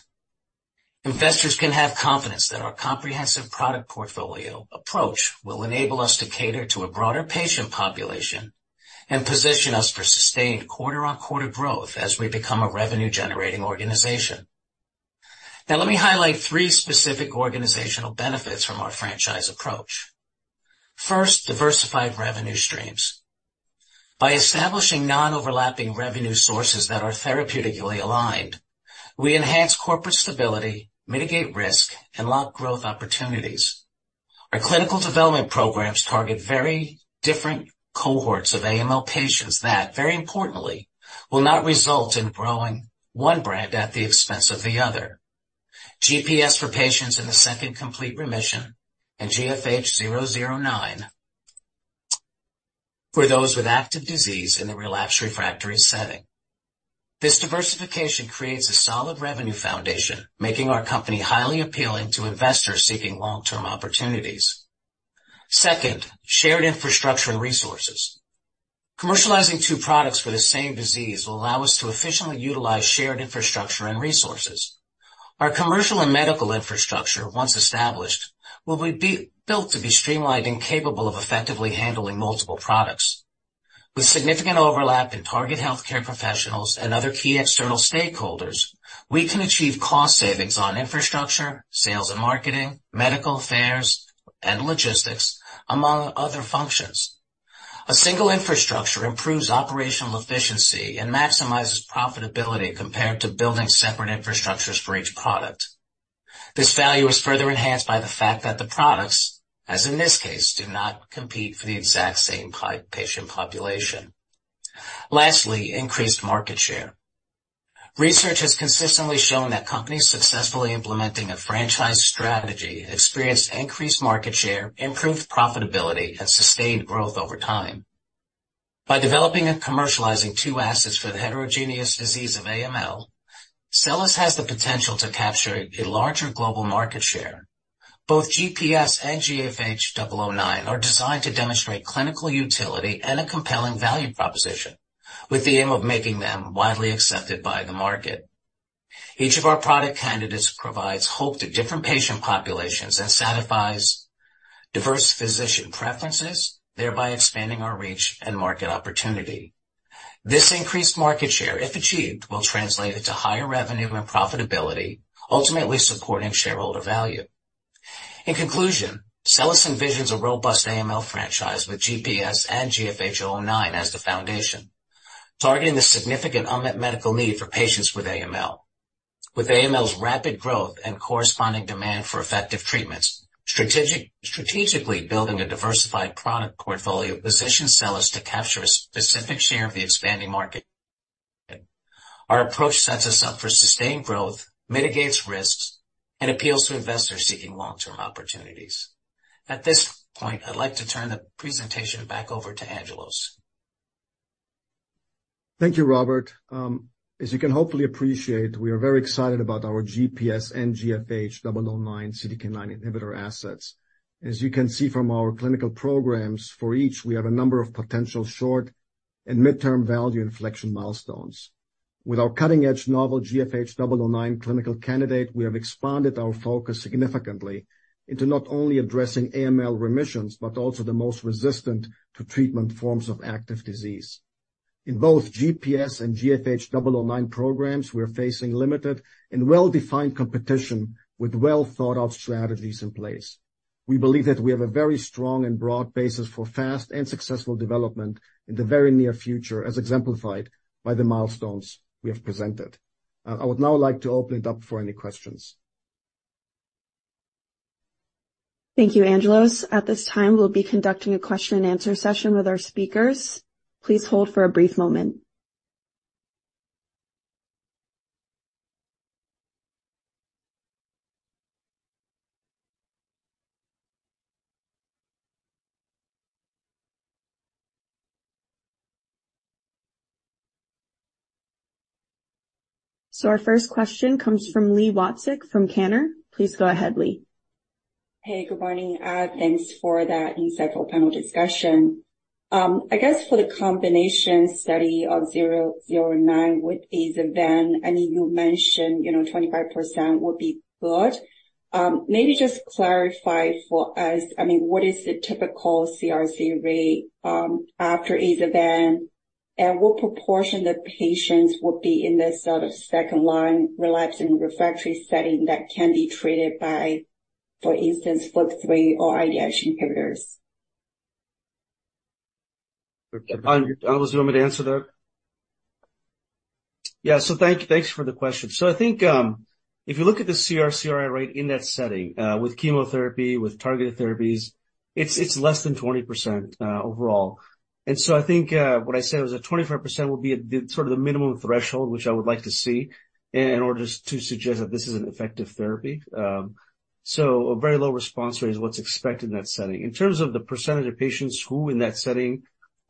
S7: Investors can have confidence that our comprehensive product portfolio approach will enable us to cater to a broader patient population and position us for sustained quarter-on-quarter growth as we become a revenue-generating organization. Now, let me highlight three specific organizational benefits from our franchise approach. First, diversified revenue streams. By establishing non-overlapping revenue sources that are therapeutically aligned, we enhance corporate stability, mitigate risk, and lock growth opportunities. Our clinical development programs target very different cohorts of AML patients that, very importantly, will not result in growing one brand at the expense of the other. GPS for patients in the second complete remission and GFH009 for those with active disease in the relapsed refractory setting. This diversification creates a solid revenue foundation, making our company highly appealing to investors seeking long-term opportunities. Second, shared infrastructure and resources. Commercializing two products for the same disease will allow us to efficiently utilize shared infrastructure and resources. Our commercial and medical infrastructure, once established, will be built to be streamlined and capable of effectively handling multiple products. With significant overlap in target healthcare professionals and other key external stakeholders, we can achieve cost savings on infrastructure, sales and marketing, medical affairs and logistics, among other functions. A single infrastructure improves operational efficiency and maximizes profitability compared to building separate infrastructures for each product. This value is further enhanced by the fact that the products, as in this case, do not compete for the exact same client patient population. Lastly, increased market share. Research has consistently shown that companies successfully implementing a franchise strategy experienced increased market share, improved profitability, and sustained growth over time. By developing and commercializing two assets for the heterogeneous disease of AML, SELLAS has the potential to capture a larger global market share. Both GPS and GFH009 are designed to demonstrate clinical utility and a compelling value proposition, with the aim of making them widely accepted by the market. Each of our product candidates provides hope to different patient populations and satisfies diverse physician preferences, thereby expanding our reach and market opportunity. This increased market share, if achieved, will translate into higher revenue and profitability, ultimately supporting shareholder value. In conclusion, SELLAS envisions a robust AML franchise with GPS and GFH009 as the foundation, targeting the significant unmet medical need for patients with AML. With AML's rapid growth and corresponding demand for effective treatments, strategically building a diversified product portfolio positions SELLAS to capture a specific share of the expanding market. Our approach sets us up for sustained growth, mitigates risks, and appeals to investors seeking long-term opportunities. At this point, I'd like to turn the presentation back over to Angelos.
S5: Thank you, Robert. As you can hopefully appreciate, we are very excited about our GPS and GFH009 CDK9 inhibitor assets. As you can see from our clinical programs, for each, we have a number of potential short and midterm value inflection milestones. With our cutting-edge novel GFH009 clinical candidate, we have expanded our focus significantly into not only addressing AML remissions, but also the most resistant to treatment forms of active disease. In both GPS and GFH009 programs, we're facing limited and well-defined competition, with well-thought-out strategies in place. We believe that we have a very strong and broad basis for fast and successful development in the very near future, as exemplified by the milestones we have presented. I would now like to open it up for any questions.
S1: Thank you, Angelos. At this time, we'll be conducting a question and answer session with our speakers. Please hold for a brief moment. Our first question comes from Li Watsek, from Cantor. Please go ahead, Li.
S8: Hey, good morning. Thanks for that insightful panel discussion. I guess for the combination study of 009 with AZA-VEN, I mean, you mentioned, you know, 25% would be good. Maybe just clarify for us, I mean, what is the typical CRc rate after AZA-VEN? What proportion of patients would be in this sort of second-line relapsing refractory setting that can be treated by, for instance, FLT3 or IDH inhibitors?
S4: Angelos, you want me to answer that? Yeah. Thanks for the question. I think, if you look at the CRCI rate in that setting, with chemotherapy, with targeted therapies, it's less than 20% overall. I think, what I said was that 25% will be the sort of the minimum threshold which I would like to see in order to suggest that this is an effective therapy. A very low response rate is what's expected in that setting. In terms of the percentage of patients who, in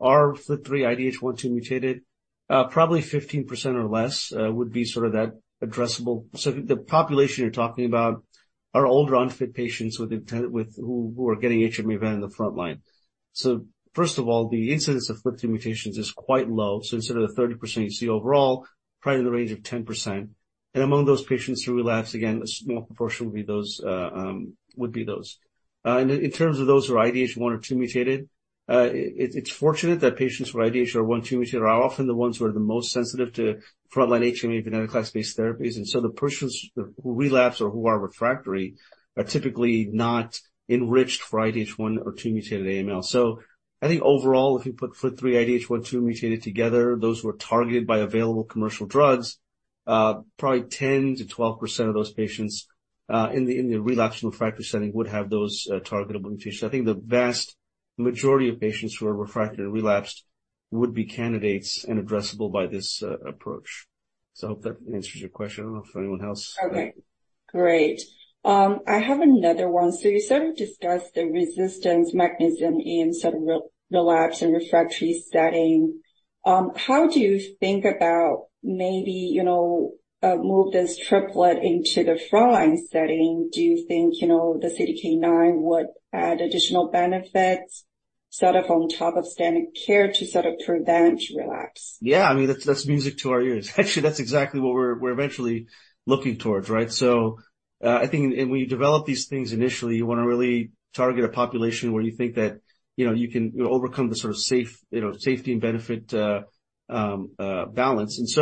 S4: that setting, are FLT3 IDH1/2 mutated, probably 15% or less would be sort of that addressable. The population you're talking about are older unfit patients with who are getting HMA-VEN in the front line. First of all, the incidence of FLT3 mutations is quite low, instead of the 30% you see overall, probably in the range of 10%. Among those patients who relapse, again, a small proportion would be those. In terms of those who are IDH 1 or 2 mutated, it's fortunate that patients with IDH 1/2 mutated, are often the ones who are the most sensitive to frontline HMA-VEN class-based therapies. The persons who relapse or who are refractory are typically not enriched for IDH 1 or 2 mutated AML. I think overall, if you put FLT3 IDH 1/2 mutated together, those who are targeted by available commercial drugs, probably 10%-12% of those patients, in the relapsed refractory setting would have those targetable mutations. I think the vast majority of patients who are refractory and relapsed would be candidates and addressable by this approach. I hope that answers your question. I don't know if anyone else.
S8: Okay, great. I have another one. You sort of discussed the resistance mechanism in sort of relapse and refractory setting. How do you think about maybe, you know, move this triplet into the frontline setting? Do you think, you know, the CDK9 would add additional benefits sort of on top of standard care to sort of prevent relapse?
S4: Yeah, I mean, that's music to our ears. Actually, that's exactly what we're eventually looking towards, right? I think when you develop these things initially, you wanna really target a population where you think that, you know, you can overcome the sort of safety and benefit balance.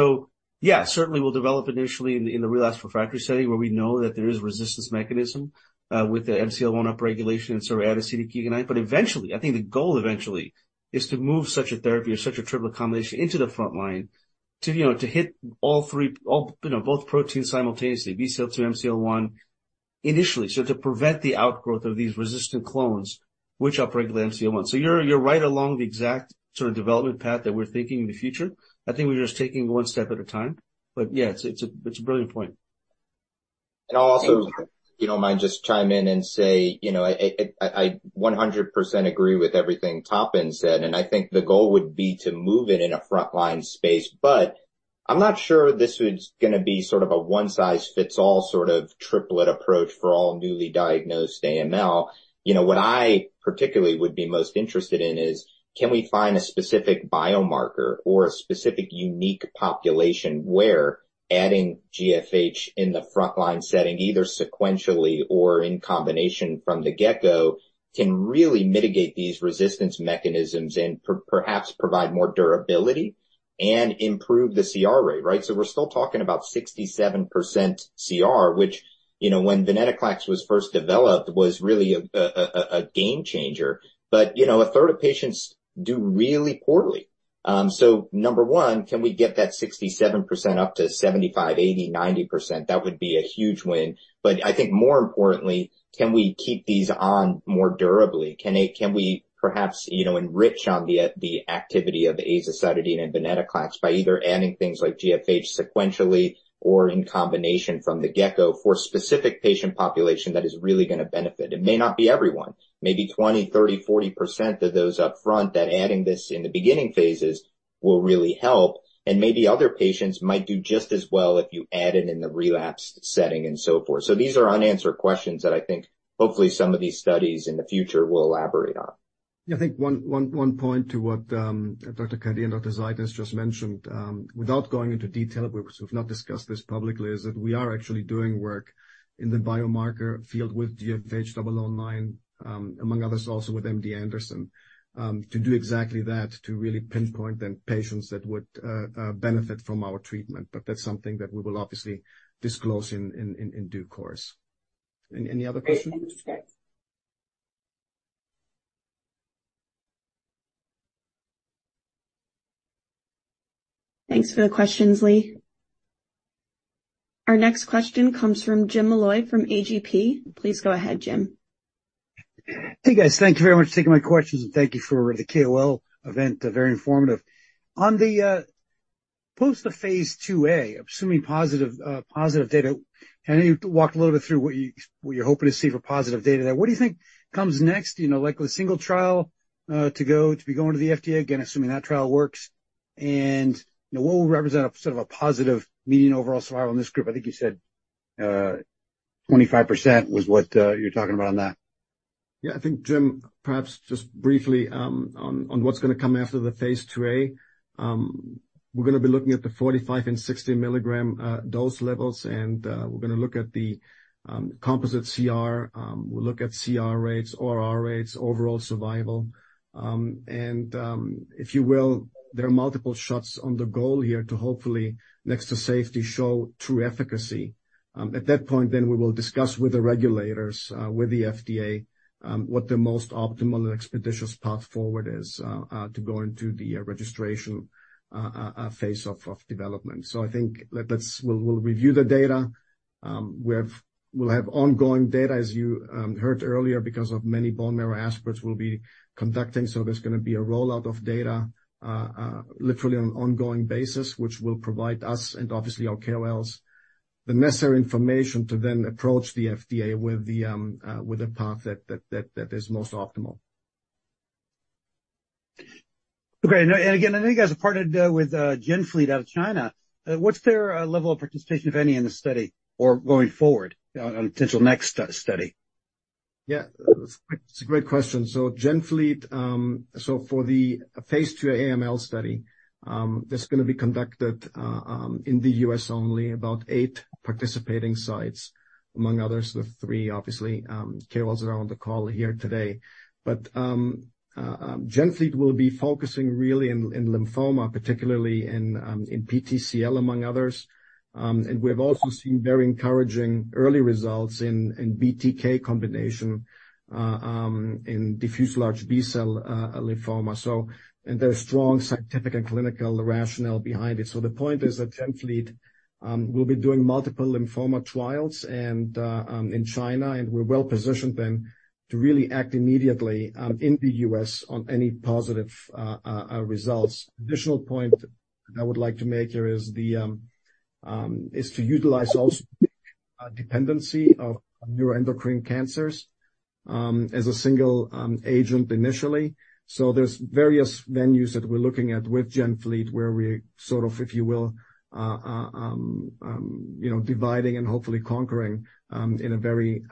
S4: Yeah, certainly we'll develop initially in the relapsed refractory setting, where we know that there is a resistance mechanism with the MCL1 upregulation and sort of add a CDK9. Eventually, I think the goal eventually is to move such a therapy or such a triple combination into the front line to, you know, to hit all three, you know, both proteins simultaneously, BCL2, MCL1, initially, so to prevent the outgrowth of these resistant clones which upregulate the MCL1. You're right along the exact sort of development path that we're thinking in the future. I think we're just taking it one step at a time. Yeah, it's a brilliant point.
S5: Also, if you don't mind, just chime in and say, you know, I, I 100% agree with everything Tapan said, and I think the goal would be to move it in a frontline space. I'm not sure this is gonna be sort of a one-size-fits-all sort of triplet approach for all newly diagnosed AML. You know, what I particularly would be most interested in is, can we find a specific biomarker or a specific unique population where adding GFH in the frontline setting, either sequentially or in combination from the get go, can really mitigate these resistance mechanisms and perhaps provide more durability and improve the CR rate, right? We're still talking about 67% CR, which, you know, when venetoclax was first developed, was really a game changer. You know, a third of patients do really poorly. Number one, can we get that 67% up to 75%, 80%, 90%? That would be a huge win. I think more importantly, can we keep these on more durably? Can we perhaps, you know, enrich on the activity of azacitidine and venetoclax by either adding things like GFH sequentially or in combination from the get-go, for a specific patient population that is really gonna benefit? It may not be everyone, maybe 20%, 30%, 40% of those up front, that adding this in the beginning phases will really help, and maybe other patients might do just as well if you add it in the relapsed setting and so forth. These are unanswered questions that I think hopefully some of these studies in the future will elaborate on.
S2: Yeah, I think one point to what Dr. Kadia and Dr. Zeidner just mentioned, without going into detail, because we've not discussed this publicly, is that we are actually doing work in the biomarker field with GFH009, among others, also with MD Anderson, to do exactly that, to really pinpoint the patients that would benefit from our treatment. That's something that we will obviously disclose in due course. Any other questions?
S1: Thanks for the questions, Li. Our next question comes from James Molloy from A.G.P. Please go ahead, Jim.
S9: Hey, guys. Thank you very much for taking my questions, and thank you for the KOL event, very informative. On the post the phase IIa, assuming positive data, can you walk a little bit through what you're hoping to see for positive data there? What do you think comes next? You know, like, with a single trial to be going to the FDA, again, assuming that trial works, and what will represent a sort of a positive median overall survival in this group? I think you said 25% was what you're talking about on that.
S2: Yeah, I think, Jim, perhaps just briefly, on what's going to come after the phase IIa. We're going to be looking at the 45 and 60 milligram dose levels, and we're going to look at the composite CR. We'll look at CR rates, ORR rates, overall survival, and, if you will, there are multiple shots on the goal here to hopefully, next to safety, show true efficacy. At that point, we will discuss with the regulators, with the FDA, what the most optimal and expeditious path forward is to go into the registration phase of development. I think we'll review the data. We'll have ongoing data, as you heard earlier, because of many bone marrow aspirates we'll be conducting. There's going to be a rollout of data, literally on an ongoing basis, which will provide us and obviously our KOLs, the necessary information to then approach the FDA with a path that is most optimal.
S9: Okay, and again, I know you guys have partnered with GenFleet out of China. What's their level of participation, if any, in the study or going forward on potential next study?
S2: It's a great question. GenFleet, for the phase II AML study, that's going to be conducted in the U.S. only, about eight participating sites, among others, the three, obviously, KOLs that are on the call here today. GenFleet will be focusing really in lymphoma, particularly in PTCL, among others. We've also seen very encouraging early results in BTK combination in diffuse large B-cell lymphoma. There's strong scientific and clinical rationale behind it. The point is that GenFleet will be doing multiple lymphoma trials in China, and we're well positioned then to really act immediately in the U.S. on any positive results. Additional point I would like to make here is the is to utilize also dependency of neuroendocrine cancers as a single agent initially. There's various venues that we're looking at with GenFleet, where we sort of, if you will, you know, dividing and hopefully conquering in a very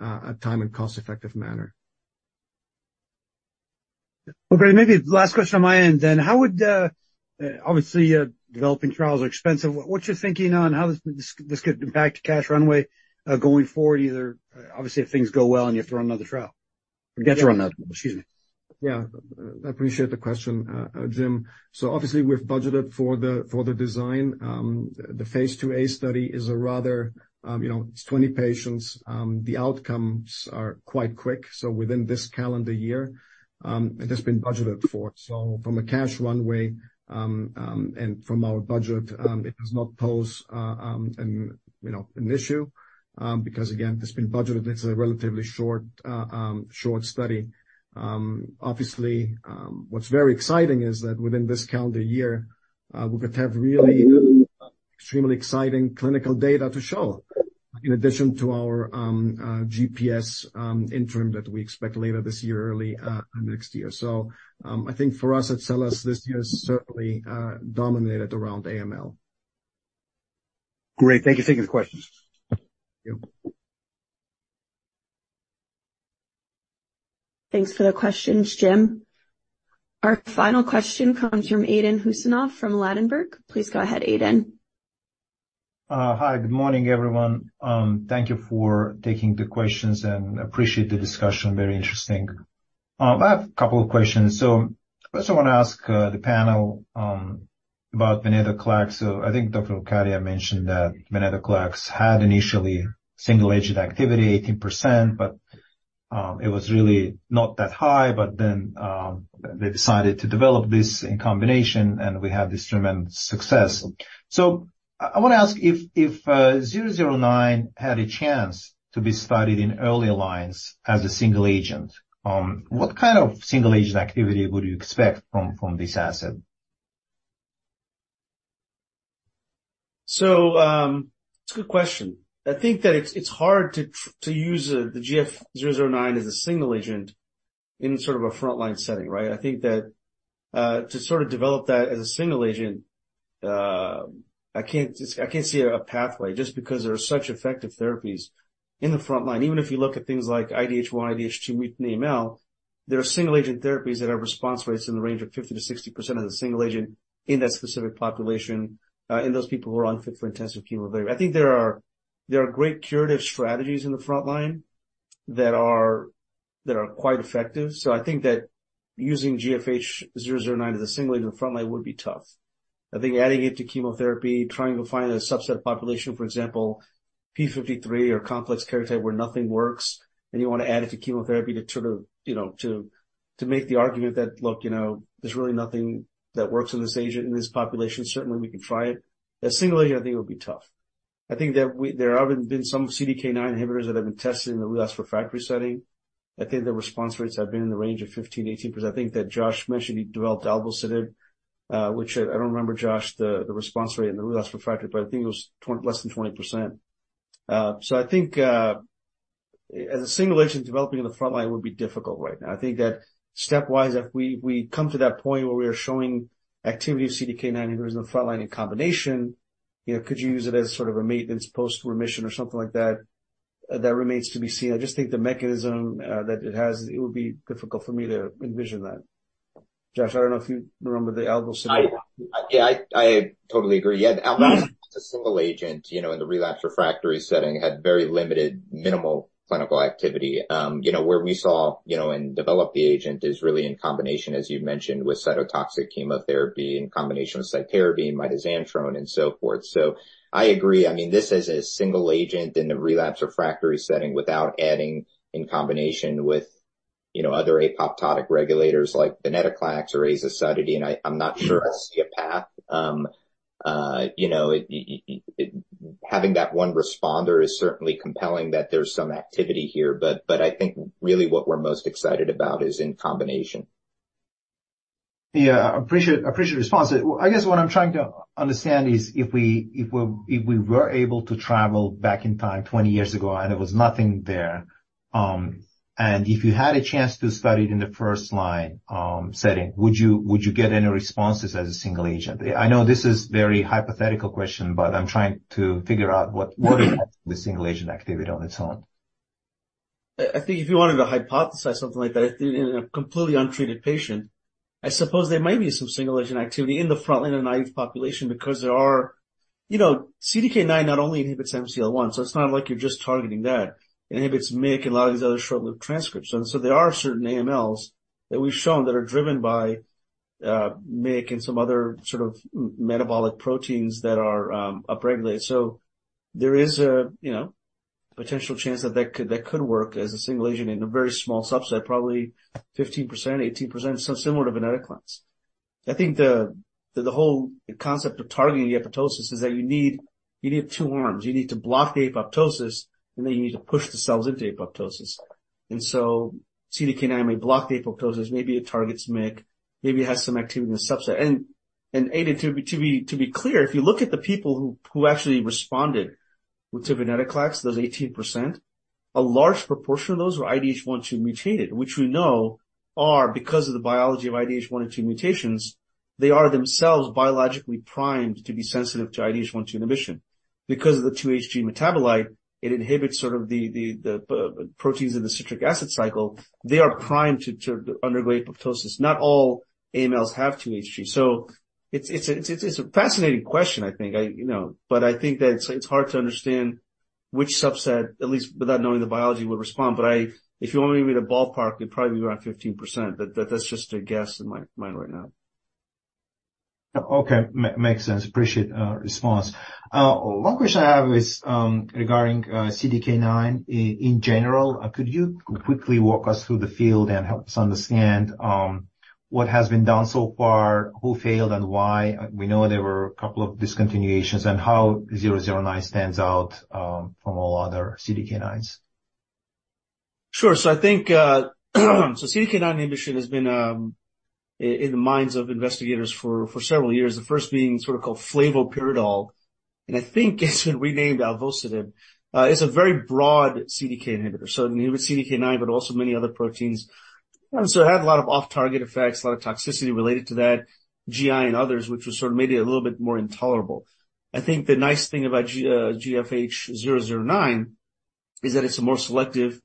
S2: time and cost-effective manner.
S9: Okay, maybe last question on my end then. How would obviously developing trials are expensive. What's your thinking on how this could impact cash runway going forward? Either, obviously, if things go well and you have to run another trial. Get to run another, excuse me.
S2: Yeah, I appreciate the question, Jim. Obviously, we've budgeted for the design. The phase IIa study is a rather, you know, it's 20 patients. The outcomes are quite quick, so within this calendar year, it has been budgeted for. From a cash runway, and from our budget, it does not pose, you know, an issue, because again, it's been budgeted, and it's a relatively short study. Obviously, what's very exciting is that within this calendar year, we could have really extremely exciting clinical data to show in addition to our, GPS, interim that we expect later this year, early, next year. I think for us at SELLAS, this year is certainly, dominated around AML.
S9: Great. Thank you. Thank you for the questions.
S2: Thank you.
S1: Thanks for the questions, Jim. Our final question comes from Aydin Huseynov from Ladenburg. Please go ahead, Aydin.
S10: Hi, good morning, everyone. Thank you for taking the questions, and appreciate the discussion. Very interesting. I have a couple of questions. First I want to ask the panel about venetoclax. Dr. Kadia mentioned that venetoclax had initially single agent activity, 18%, but it was really not that high. They decided to develop this in combination, and we have this tremendous success. I want to ask if 009 had a chance to be studied in early alliance as a single agent, what kind of single agent activity would you expect from this asset?
S4: It's a good question. I think that it's hard to use GFH009 as a single agent in sort of a frontline setting, right? I think that to sort of develop that as a single agent, I can't see a pathway just because there are such effective therapies in the frontline. Even if you look at things like IDH1, IDH2 with AML, there are single-agent therapies that have response rates in the range of 50%-60% of the single agent in that specific population, in those people who are unfit for intensive chemotherapy. I think there are great curative strategies in the frontline that are quite effective. I think that using GFH009 as a single agent in the frontline would be tough. I think adding it to chemotherapy, trying to find a subset population, for example, P53 or complex karyotype, where nothing works, and you want to add it to chemotherapy to sort of, you know, to make the argument that, look, you know, there's really nothing that works in this population. Certainly, we can try it. As single agent, I think it would be tough. I think that there have been some CDK9 inhibitors that have been tested in the relapsed/refractory setting. I think the response rates have been in the range of 15%-18%. I think that Josh mentioned he developed alvocidib, which I don't remember, Josh, the response rate in the relapsed/refractory, but I think it was less than 20%. I think, as a single agent, developing in the frontline would be difficult right now. I think that stepwise, if we come to that point where we are showing activity of CDK9 inhibitors in the frontline in combination, you know, could you use it as sort of a maintenance post-remission or something like that? That remains to be seen. I just think the mechanism, that it has, it would be difficult for me to envision that. Josh, I don't know if you remember the alvocidib.
S5: I- yeah, I totally agree. Yeah, the alvocidib, the single agent, you know, in the relapsed/refractory setting, had very limited, minimal clinical activity. You know, where we saw, you know, and developed the agent is really in combination, as you mentioned, with cytotoxic chemotherapy, in combination with cytarabine, mitoxantrone, and so forth. I agree. I mean, this as a single agent in the relapsed/refractory setting, without adding in combination with, you know, other apoptotic regulators like venetoclax or azacitidine, I'm not sure I see a path. You know, Having that one responder is certainly compelling that there's some activity here, but I think really what we're most excited about is in combination.
S10: I appreciate the response. I guess what I'm trying to understand is if we were able to travel back in time 20 years ago and there was nothing there, and if you had a chance to study it in the first line setting, would you get any responses as a single agent? I know this is very hypothetical question, but I'm trying to figure out what is the single agent activity on its own.
S4: I think if you wanted to hypothesize something like that, I think in a completely untreated patient, I suppose there might be some single agent activity in the frontline, in a naive population, because there are. You know, CDK9 not only inhibits MCL1, so it's not like you're just targeting that. It inhibits MYC and a lot of these other short-lived transcripts. There are certain AMLs that we've shown that are driven by MYC and some other sort of metabolic proteins that are upregulated. There is a, you know, potential chance that that could work as a single agent in a very small subset, probably 15%, 18%, so similar to venetoclax. I think the whole concept of targeting the apoptosis is that you need two arms. You need to block the apoptosis, you need to push the cells into apoptosis. CDK9 may block the apoptosis, maybe it targets MYC, maybe it has some activity in the subset. Aydin, to be clear, if you look at the people who actually responded to venetoclax, those 18%, a large proportion of those were IDH1, IDH2 mutated, which we know are, because of the biology of IDH1 and IDH2 mutations, they are themselves biologically primed to be sensitive to IDH1, IDH2 inhibition. Because of the 2-HG metabolite, it inhibits sort of the proteins in the citric acid cycle. They are primed to undergo apoptosis. Not all AMLs have 2-HG. It's a fascinating question, I think. I, you know- I think that it's hard to understand which subset, at least without knowing the biology, would respond. If you want me to give you a ballpark, it'd probably be around 15%, but that's just a guess in my mind right now.
S10: Okay, makes sense. Appreciate response. One question I have is regarding CDK9 in general. Could you quickly walk us through the field and help us understand what has been done so far, who failed and why? We know there were a couple of discontinuations, and how 009 stands out from all other CDK9s.
S4: Sure. I think, CDK9 inhibition has been in the minds of investigators for several years, the first being sort of called flavopiridol, and I think it's been renamed alvocidib. It's a very broad CDK inhibitor, so it inhibits CDK9, but also many other proteins. It had a lot of off-target effects, a lot of toxicity related to that, GI and others, which was sort of made it a little bit more intolerable. I think the nice thing about GFH009 is that it's a more selective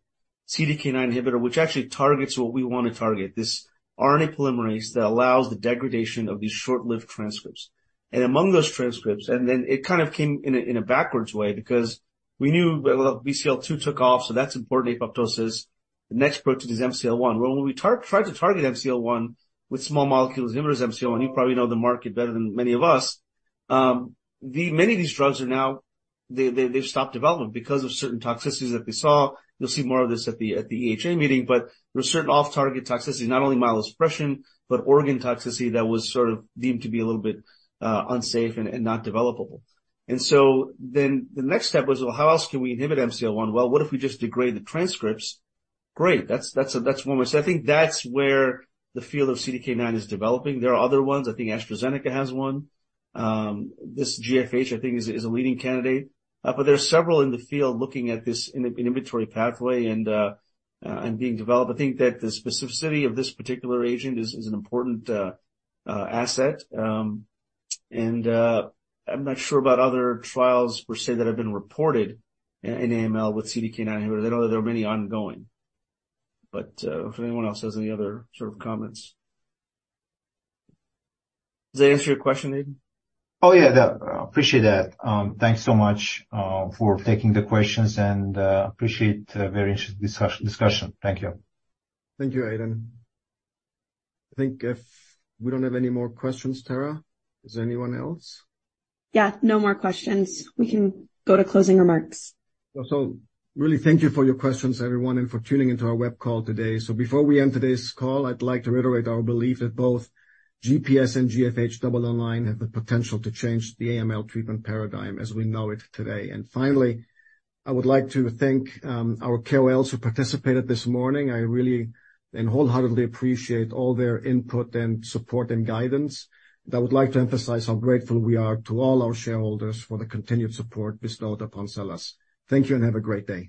S4: CDK9 inhibitor, which actually targets what we want to target, this RNA polymerase that allows the degradation of these short-lived transcripts. Among those transcripts, then it kind of came in a, in a backwards way because we knew, well, BCL2 took off, so that's important in apoptosis. The next protein is MCL1. When we tried to target MCL1 with small molecules, inhibitors MCL1, you probably know the market better than many of us, many of these drugs are now, they've stopped development because of certain toxicities that we saw. You'll see more of this at the EHA meeting, there were certain off-target toxicities, not only myelosuppression, but organ toxicity that was sort of deemed to be a little bit unsafe and not developable. The next step was, well, how else can we inhibit MCL1? Well, what if we just degrade the transcripts? Great, that's one way. I think that's where the field of CDK9 is developing. There are other ones. I think AstraZeneca has one. This GFH, I think, is a leading candidate, there are several in the field looking at this inhibitory pathway and being developed. I think that the specificity of this particular agent is an important asset. I'm not sure about other trials per se, that have been reported in AML with CDK9 inhibitors. I know that there are many ongoing, if anyone else has any other sort of comments. Does that answer your question, Aydin?
S10: Oh, yeah. Yeah. Appreciate that. Thanks so much for taking the questions, and appreciate a very interesting discussion. Thank you.
S2: Thank you, Aydin. I think if we don't have any more questions, Tara, is there anyone else?
S1: Yeah, no more questions. We can go to closing remarks.
S2: Really thank you for your questions, everyone, and for tuning into our web call today. Before we end today's call, I'd like to reiterate our belief that both GPS and GFH009 have the potential to change the AML treatment paradigm as we know it today. Finally, I would like to thank our KOLs who participated this morning. I really and wholeheartedly appreciate all their input and support and guidance. I would like to emphasize how grateful we are to all our shareholders for the continued support bestowed upon SELLAS. Thank you, and have a great day.